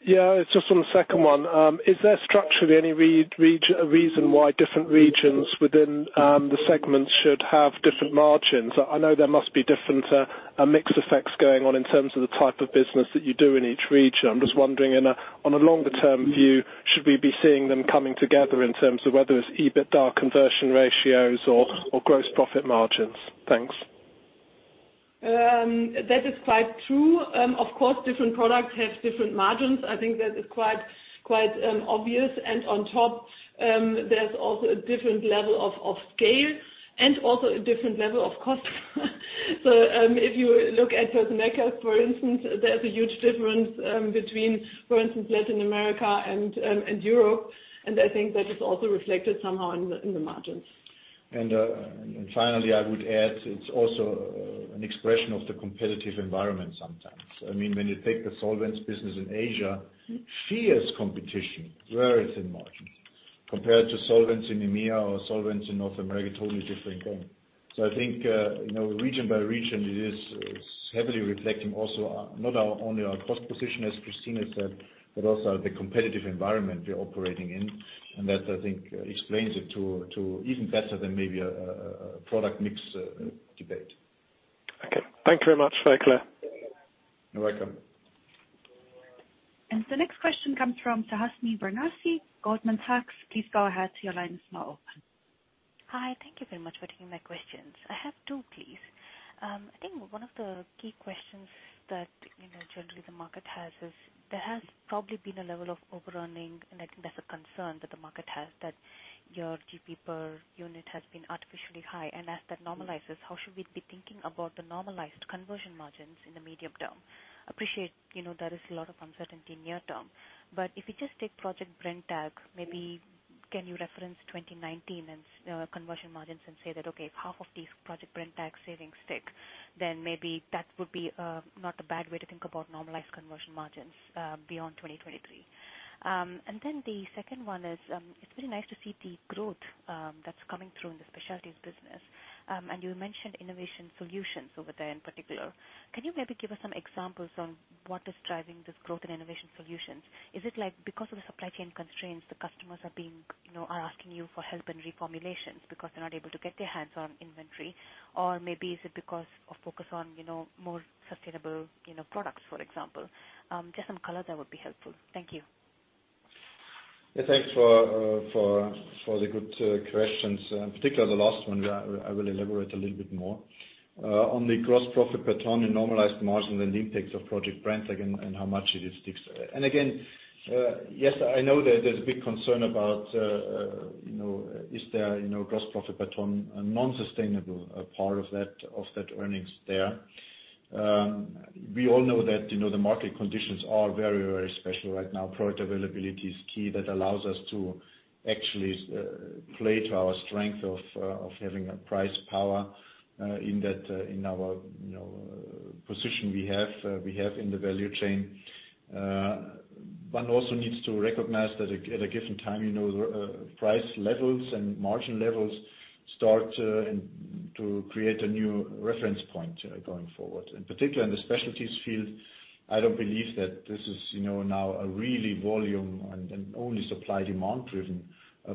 Yeah, it's just on the second one. Is there structurally any reason why different regions within the segments should have different margins? I know there must be different mix effects going on in terms of the type of business that you do in each region. I'm just wondering, on a longer-term view, should we be seeing them coming together in terms of whether it's EBITDA conversion ratios or gross profit margins? Thanks. That is quite true. Of course, different products have different margins. I think that is quite obvious. On top, there's also a different level of scale and also a different level of cost. If you look at personal care, for instance, there's a huge difference between, for instance, Latin America and Europe. I think that is also reflected somehow in the margins. Finally, I would add, it's also an expression of the competitive environment sometimes. I mean, when you take the solvents business in Asia, fierce competition, very thin margins compared to solvents in EMEA or solvents in North America, totally different thing. I think, you know, region by region, it is heavily reflecting also, not only our cost position, as Christine has said, but also the competitive environment we're operating in. That, I think, explains it to even better than maybe a product mix debate. Okay. Thank you very much. Very clear. You're welcome. The next question comes from Rajesh Kumar, Goldman Sachs. Please go ahead. Your line is now open. Hi. Thank you very much for taking my questions. I have two, please. I think one of the key questions that, you know, generally the market has is there has probably been a level of overrunning, and I think that's a concern that the market has, that your GP per unit has been artificially high. As that normalizes, how should we be thinking about the normalized conversion margins in the medium term? Appreciate, you know, there is a lot of uncertainty near term, but if you just take Project Brenntag, maybe can you reference 2019 and conversion margins and say that, okay, if half of these Project Brenntag savings stick, then maybe that would be not a bad way to think about normalized conversion margins beyond 2023. The second one is, it's pretty nice to see the growth that's coming through in the Specialties business. You mentioned innovation solutions over there in particular. Can you maybe give us some examples on what is driving this growth in innovation solutions? Is it, like, because of the supply chain constraints, the customers are being, you know, are asking you for help in reformulations because they're not able to get their hands on inventory? Or maybe is it because of focus on, you know, more sustainable, you know, products, for example? Just some color there would be helpful. Thank you. Thanks for the good questions, in particular the last one. I will elaborate a little bit more on the gross profit per ton in normalized margin and the impact of Project Brenntag and how much it sticks. Again, yes, I know that there's a big concern about, you know, is there, you know, gross profit per ton a non-sustainable part of that earnings there. We all know that, you know, the market conditions are very special right now. Product availability is key. That allows us to actually play to our strength of having a price power in that in our, you know, position we have in the value chain. Everyone also needs to recognize that at a given time, you know, price levels and margin levels start and to create a new reference point going forward. In particular, in the specialties field, I don't believe that this is, you know, now a really volume and only supply/demand driven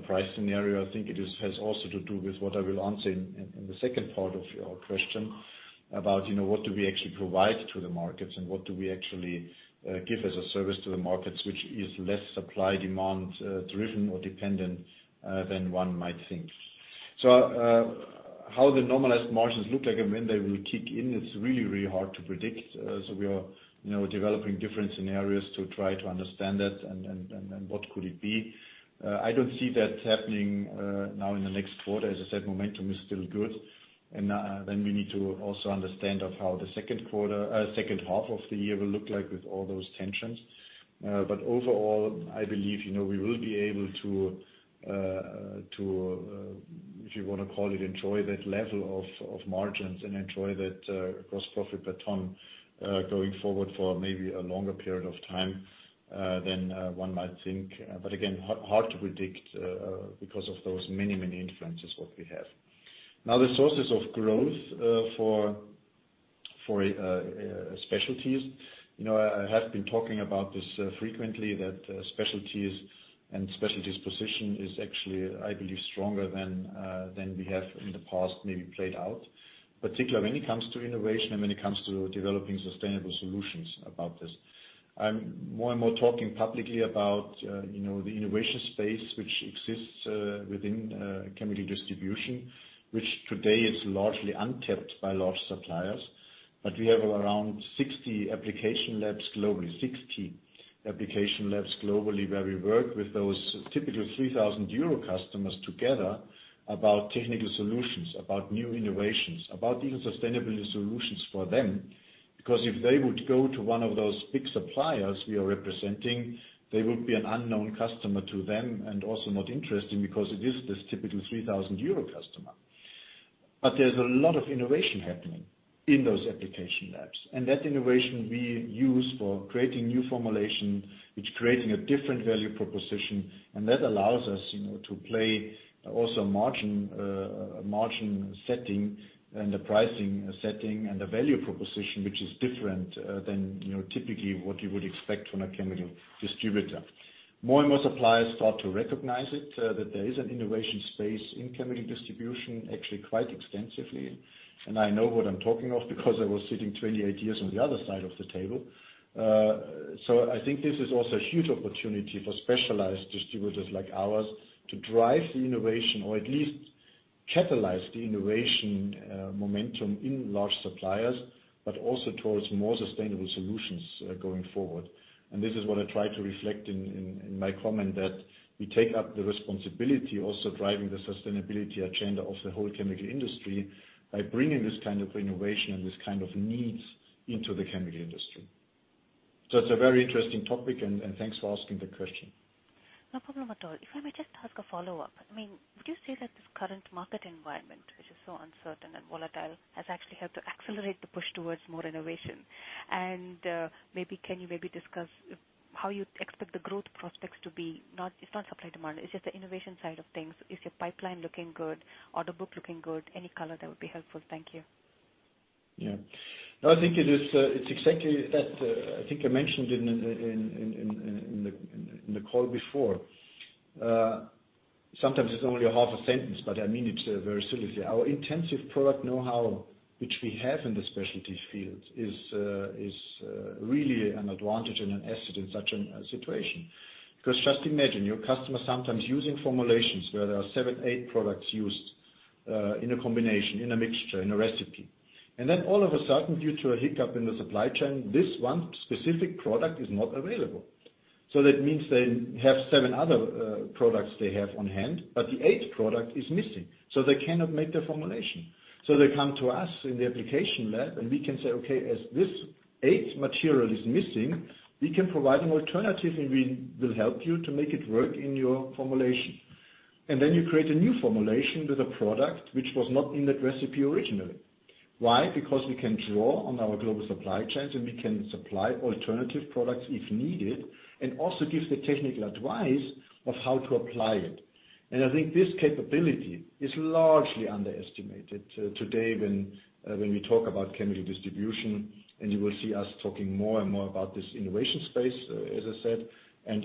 price scenario. I think it has also to do with what I will answer in the second part of your question about, you know, what do we actually provide to the markets, and what do we actually give as a service to the markets, which is less supply/demand driven or dependent than one might think. How the normalized margins look like and when they will kick in, it's really hard to predict. We are, you know, developing different scenarios to try to understand that and what could it be. I don't see that happening now in the next quarter. As I said, momentum is still good. We need to also understand of how the second half of the year will look like with all those tensions. Overall, I believe, you know, we will be able to, if you wanna call it, enjoy that level of margins and enjoy that gross profit per ton going forward for maybe a longer period of time than one might think. Again, hard to predict because of those many influences what we have. Now, the sources of growth for specialties. You know, I have been talking about this frequently, that specialties position is actually, I believe, stronger than we have in the past maybe played out. Particularly when it comes to innovation and when it comes to developing sustainable solutions about this. I'm more and more talking publicly about you know, the innovation space which exists within chemical distribution, which today is largely untapped by large suppliers. We have around 60 application labs globally, where we work with those typical 3,000 euro customers together about technical solutions, about new innovations, about even sustainable solutions for them. Because if they would go to one of those big suppliers we are representing, they would be an unknown customer to them and also not interesting because it is this typical 3,000 euro customer. There's a lot of innovation happening in those application labs. That innovation we use for creating new formulation, which creating a different value proposition, and that allows us, you know, to play also margin setting and the pricing setting and the value proposition, which is different, than, you know, typically what you would expect from a chemical distributor. More and more suppliers start to recognize it, that there is an innovation space in chemical distribution, actually quite extensively. I know what I'm talking of because I was sitting 28 years on the other side of the table. I think this is also a huge opportunity for specialized distributors like ours to drive the innovation or at least catalyze the innovation, momentum in large suppliers, but also towards more sustainable solutions, going forward. This is what I try to reflect in my comment, that we take up the responsibility also driving the sustainability agenda of the whole chemical industry by bringing this kind of innovation and this kind of needs into the chemical industry. It's a very interesting topic, and thanks for asking the question. No problem at all. If I may just ask a follow-up. I mean, would you say that this current market environment, which is so uncertain and volatile, has actually helped to accelerate the push towards more innovation? Maybe can you maybe discuss how you expect the growth prospects to be? Not, it's not supply/demand, it's just the innovation side of things. Is your pipeline looking good? Order book looking good? Any color, that would be helpful. Thank you. Yeah. No, I think it is, it's exactly that. I think I mentioned in the call before. Sometimes it's only a half a sentence, but I mean it very seriously. Our intensive product know-how which we have in the specialty fields is really an advantage and an asset in such a situation. Because just imagine, your customer sometimes using formulations where there are 7, 8 products used in a combination, in a mixture, in a recipe. All of a sudden, due to a hiccup in the supply chain, this one specific product is not available. That means they have 7 other products they have on hand, but the eighth product is missing, so they cannot make the formulation. They come to us in the application lab, and we can say, "Okay, as this eighth material is missing, we can provide an alternative, and we will help you to make it work in your formulation." Then you create a new formulation with a product which was not in that recipe originally. Why? Because we can draw on our global supply chains, and we can supply alternative products if needed and also give the technical advice of how to apply it. I think this capability is largely underestimated today when we talk about chemical distribution. You will see us talking more and more about this innovation space, as I said.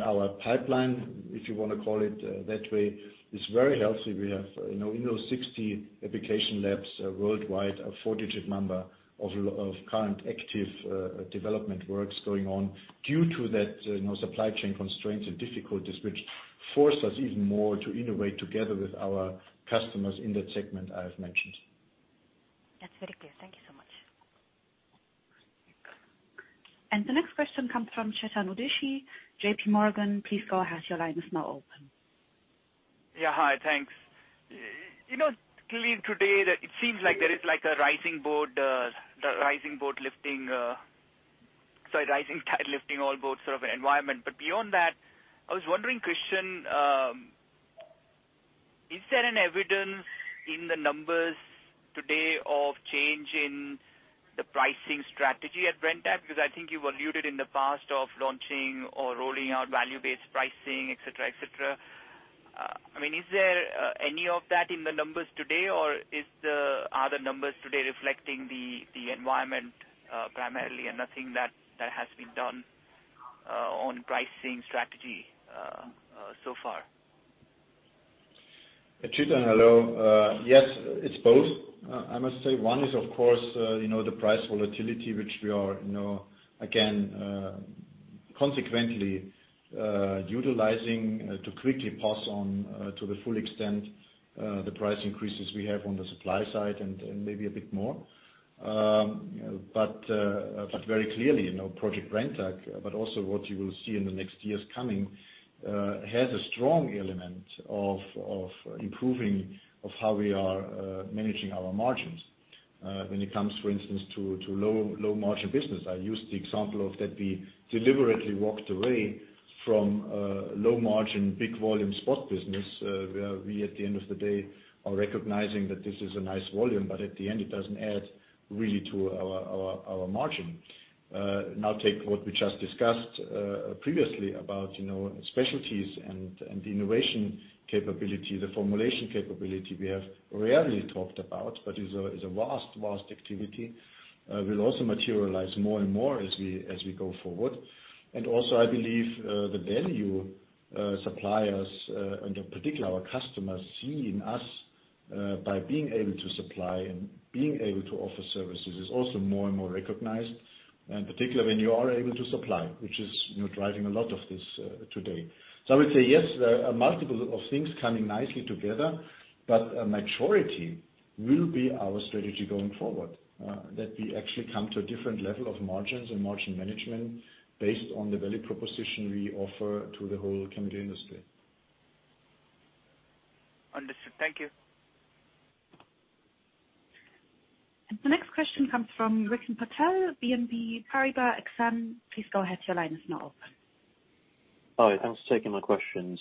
Our pipeline, if you wanna call it that way, is very healthy. We have, you know, in those 60 application labs worldwide, a four-digit number of currently active development works going on due to that, you know, supply chain constraints and difficulties which force us even more to innovate together with our customers in that segment, I have mentioned. That's very clear. Thank you so much. The next question comes from Chetan Udeshi, J.P. Morgan. Please go ahead, your line is now open. Yeah. Hi, thanks. You know, clearly today that it seems like there is like a rising tide lifting all boats sort of environment. Beyond that, I was wondering, Christian. Is there an evidence in the numbers today of change in the pricing strategy at Brenntag? Because I think you've alluded in the past of launching or rolling out value-based pricing, et cetera, et cetera. I mean, is there any of that in the numbers today? Or are the numbers today reflecting the environment primarily and nothing that has been done on pricing strategy so far? Christian, hello. Yes, it's both. I must say one is of course, you know, the price volatility, which we are, you know, again, consequently, utilizing, to quickly pass on, to the full extent, the price increases we have on the supply side and maybe a bit more. But very clearly, you know, Project Brenntag, but also what you will see in the next years coming, has a strong element of improving how we are managing our margins. When it comes, for instance, to low margin business, I use the example of that we deliberately walked away from low margin, big volume spot business, where we, at the end of the day, are recognizing that this is a nice volume, but at the end it doesn't add really to our margin. Now take what we just discussed previously about, you know, specialties and the innovation capability, the formulation capability we have rarely talked about, but is a vast activity, will also materialize more and more as we go forward. Also, I believe the value suppliers and in particular our customers see in us by being able to supply and being able to offer services is also more and more recognized. Particularly when you are able to supply, which is, you know, driving a lot of this today. I would say yes, there are multiple of things coming nicely together, but a maturity will be our strategy going forward, that we actually come to a different level of margins and margin management based on the value proposition we offer to the whole chemical industry. Understood. Thank you. The next question comes from Rick Patel, BNP Paribas Exane. Please go ahead, your line is now open. Hi. Thanks for taking my questions.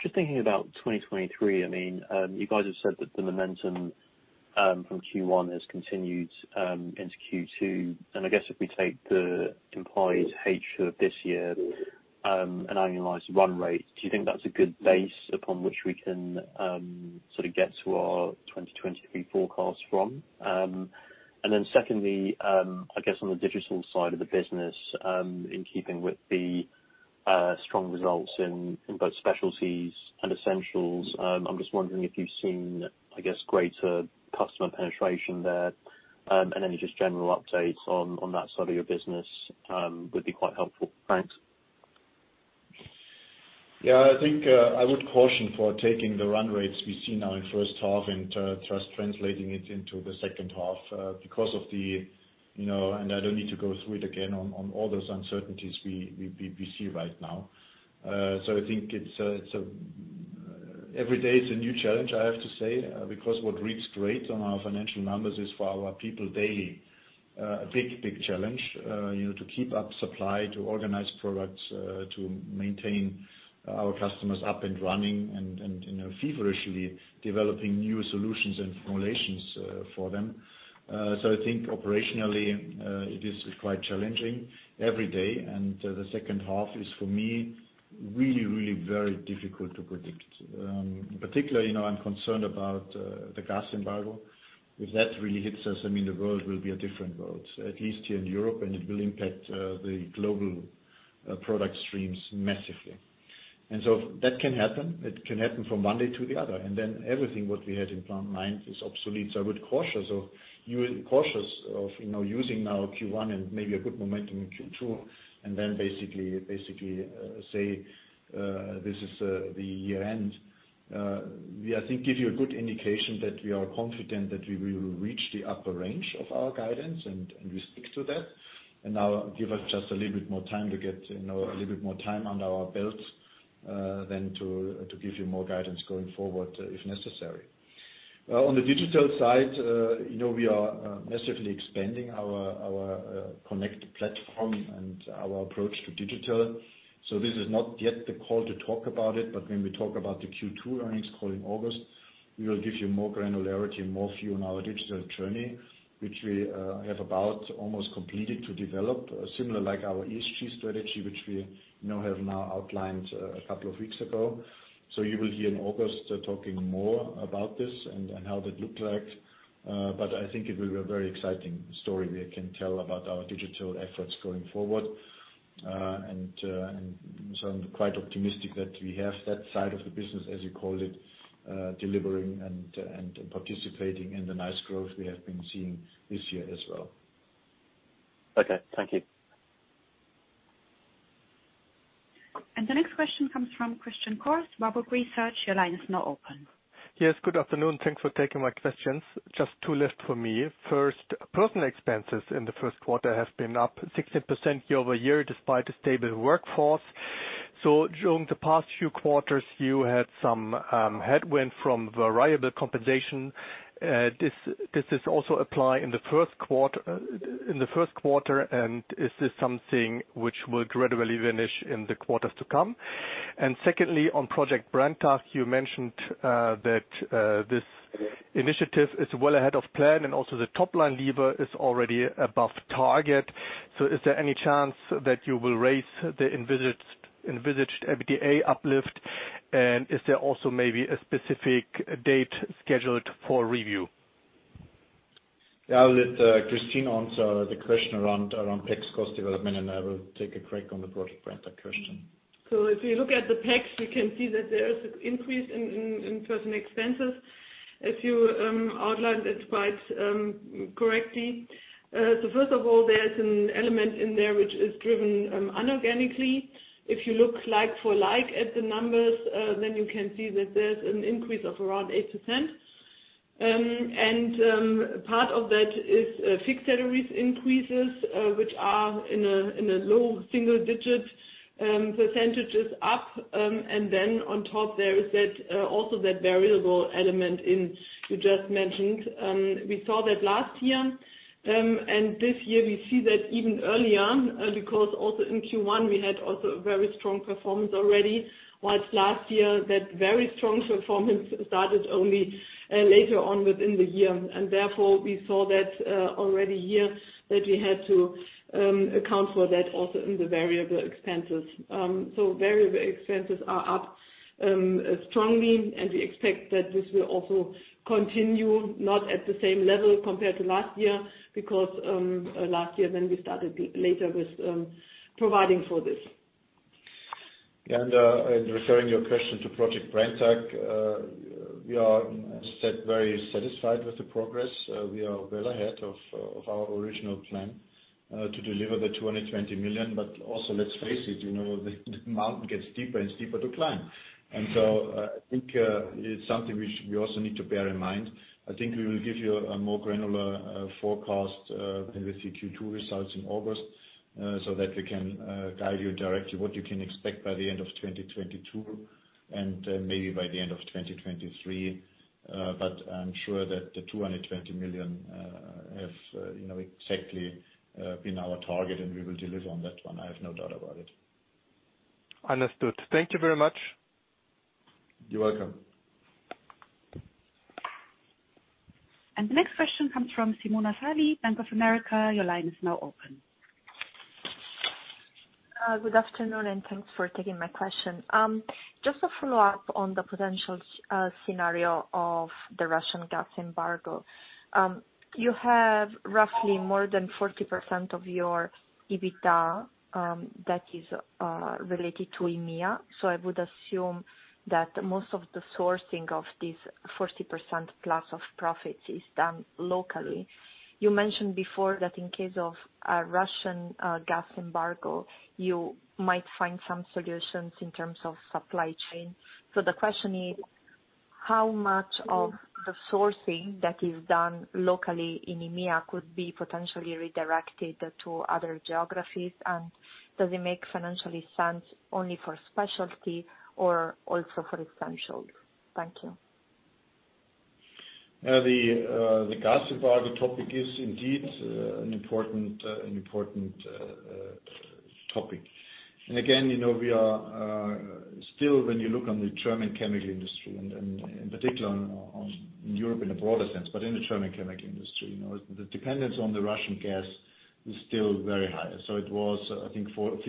Just thinking about 2023, I mean, you guys have said that the momentum from Q1 has continued into Q2. I guess if we take the implied H of this year, an annualized run rate, do you think that's a good base upon which we can sort of get to our 2023 forecast from? Then secondly, I guess on the digital side of the business, in keeping with the strong results in both specialties and essentials, I'm just wondering if you've seen, I guess, greater customer penetration there. Any just general updates on that side of your business would be quite helpful. Thanks. Yeah, I think I would caution for taking the run rates we see now in first half and just translating it into the second half, because of the, you know. I don't need to go through it again on all those uncertainties we see right now. I think it's every day it's a new challenge, I have to say, because what reads great on our financial numbers is for our people daily a big challenge, you know, to keep up supply, to organize products, to maintain our customers up and running and, you know, feverishly developing new solutions and formulations for them. I think operationally it is quite challenging every day. The second half is for me really very difficult to predict. Particularly, you know, I'm concerned about the gas embargo. If that really hits us, I mean, the world will be a different world, at least here in Europe, and it will impact the global product streams massively. That can happen. It can happen from one day to the other, and then everything what we had planned in mind is obsolete. I would caution you know, using now Q1 and maybe a good momentum in Q2, and then basically say this is the year end. We, I think, give you a good indication that we are confident that we will reach the upper range of our guidance, and we stick to that. Now give us just a little bit more time to get, you know, a little bit more time under our belts, than to give you more guidance going forward if necessary. On the digital side, you know, we are massively expanding our Connect platform and our approach to digital. This is not yet the call to talk about it, but when we talk about the Q2 earnings call in August, we will give you more granularity, more view on our digital journey, which we have about almost completed to develop, similar like our ESG strategy, which we, you know, have now outlined, a couple of weeks ago. You will hear in August talking more about this and how that look like. I think it will be a very exciting story we can tell about our digital efforts going forward. I'm quite optimistic that we have that side of the business, as you call it, delivering and participating in the nice growth we have been seeing this year as well. Okay. Thank you. The next question comes from Christian Obst, Baader Bank Research. Your line is now open. Yes. Good afternoon. Thanks for taking my questions. Just two left for me. First, personnel expenses in the first quarter have been up 16% year-over-year despite a stable workforce. During the past few quarters, you had some headwind from variable compensation. Does this also apply in the first quarter, and is this something which will gradually vanish in the quarters to come? Secondly, on Project Brenntag, you mentioned that this initiative is well ahead of plan and also the top line lever is already above target. Is there any chance that you will raise the envisaged EBITDA uplift? Is there also maybe a specific date scheduled for review? Yeah, I'll let Christine answer the question around OPEX cost development, and I will take a crack on the Project Brenntag question. If you look at the OPEX, you can see that there is an increase in personnel expenses, as you outlined it quite correctly. First of all, there's an element in there which is driven inorganically. If you look like for like at the numbers, then you can see that there's an increase of around 8%. Part of that is fixed salaries increases, which are in a low single digit percentages up. Then on top there is that variable element you just mentioned. We saw that last year, and this year we see that even earlier, because also in Q1 we had also a very strong performance already, while last year that very strong performance started only later on within the year. Therefore, we saw that already here that we had to account for that also in the variable expenses. Variable expenses are up strongly, and we expect that this will also continue, not at the same level compared to last year because last year then we started later with providing for this. Referring your question to Project Brenntag, we are very satisfied with the progress. We are well ahead of our original plan to deliver 220 million, but also let's face it, you know, the mountain gets steeper and steeper to climb. I think it's something which we also need to bear in mind. I think we will give you a more granular forecast with the Q2 results in August, so that we can guide you directly what you can expect by the end of 2022 and maybe by the end of 2023. But I'm sure that the 220 million have exactly been our target and we will deliver on that one, I have no doubt about it. Understood. Thank you very much. You're welcome. The next question comes from Simona Sarli, Bank of America. Your line is now open. Good afternoon, and thanks for taking my question. Just a follow-up on the potential scenario of the Russian gas embargo. You have roughly more than 40% of your EBITDA that is related to EMEA. I would assume that most of the sourcing of this 40% plus of profits is done locally. You mentioned before that in case of a Russian gas embargo, you might find some solutions in terms of supply chain. The question is how much of the sourcing that is done locally in EMEA could be potentially redirected to other geographies? And does it make financially sense only for specialty or also for essentials? Thank you. The gas embargo topic is indeed an important topic. Again, you know, we are still when you look on the German chemical industry and in particular on Europe in a broader sense, but in the German chemical industry, you know, the dependence on the Russian gas is still very high. It was, I think, 55%.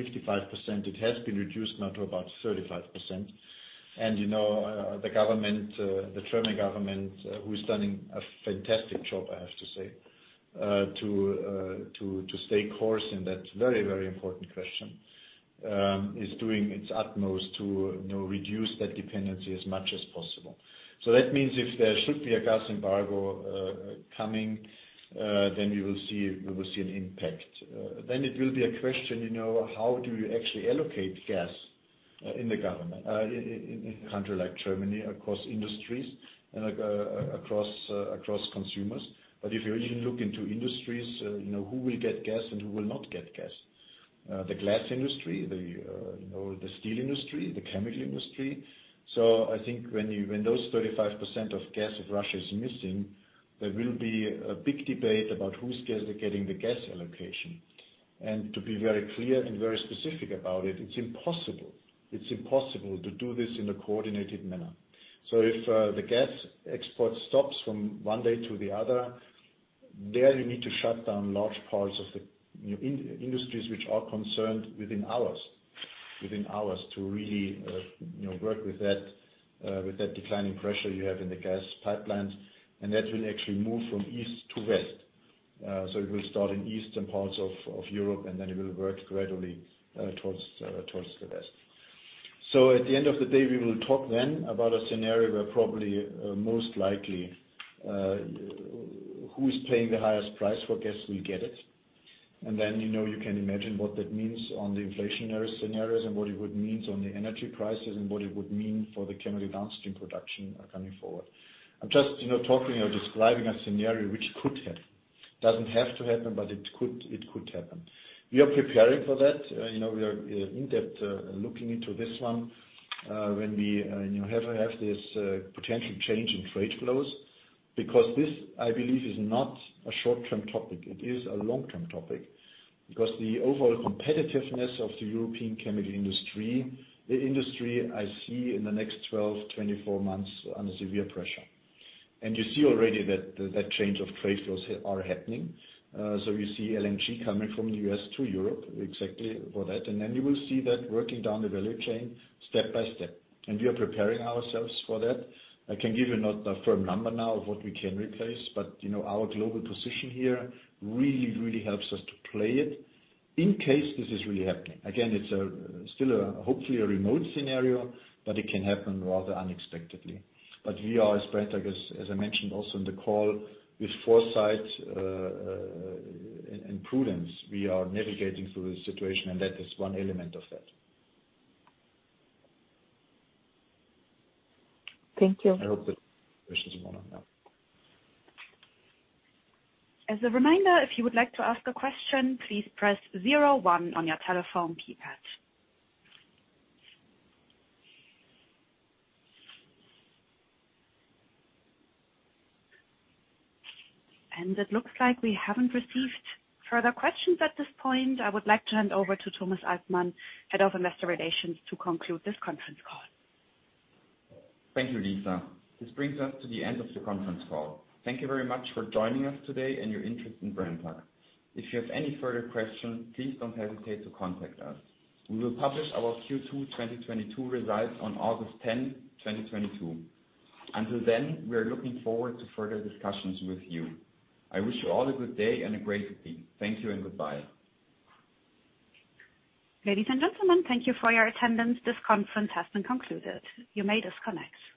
It has been reduced now to about 35%. You know, the government, the German government, who's done a fantastic job, I have to say, to stay course in that very, very important question, is doing its utmost to, you know, reduce that dependency as much as possible. That means if there should be a gas embargo coming, then we will see an impact. It will be a question, you know, how do you actually allocate gas in a country like Germany, across industries and across consumers. If you even look into industries, you know, who will get gas and who will not get gas? The glass industry, the steel industry, the chemical industry. I think when those 35% of gas of Russia is missing, there will be a big debate about whose gas is getting the gas allocation. To be very clear and very specific about it's impossible. It's impossible to do this in a coordinated manner. If the gas export stops from one day to the other, there you need to shut down large parts of the industries which are concerned within hours to really work with that declining pressure you have in the gas pipelines. That will actually move from east to west. It will start in eastern parts of Europe, and then it will work gradually towards the west. At the end of the day, we will talk then about a scenario where probably most likely who's paying the highest price for gas will get it. You know, you can imagine what that means on the inflationary scenarios and what it would mean on the energy prices and what it would mean for the chemical downstream production, coming forward. I'm just, you know, talking or describing a scenario which could happen. Doesn't have to happen, but it could happen. We are preparing for that. You know, we are in depth looking into this one when we, you know, have this potential change in trade flows. This, I believe, is not a short-term topic. It is a long-term topic. The overall competitiveness of the European chemical industry, the industry I see in the next 12, 24 months under severe pressure. You see already that change of trade flows are happening. You see LNG coming from the U.S. to Europe exactly for that. You will see that working down the value chain step by step, and we are preparing ourselves for that. I can give you not a firm number now of what we can replace, but, you know, our global position here really, really helps us to play it in case this is really happening. Again, it's still a hopefully remote scenario, but it can happen rather unexpectedly. We are as Brenntag as I mentioned also in the call with foresight, and prudence, we are navigating through the situation, and that is one element of that. Thank you. I hope that questions went on now. As a reminder, if you would like to ask a question, please press zero-one on your telephone keypad. It looks like we haven't received further questions at this point. I would like to hand over to Thomas Altmann, Head of Investor Relations, to conclude this conference call. Thank you, Lisa. This brings us to the end of the conference call. Thank you very much for joining us today and your interest in Brenntag. If you have any further questions, please don't hesitate to contact us. We will publish our Q2 2022 results on August tenth, 2022. Until then, we are looking forward to further discussions with you. I wish you all a good day and a great week. Thank you and goodbye. Ladies and gentlemen, thank you for your attendance. This conference has been concluded. You may disconnect.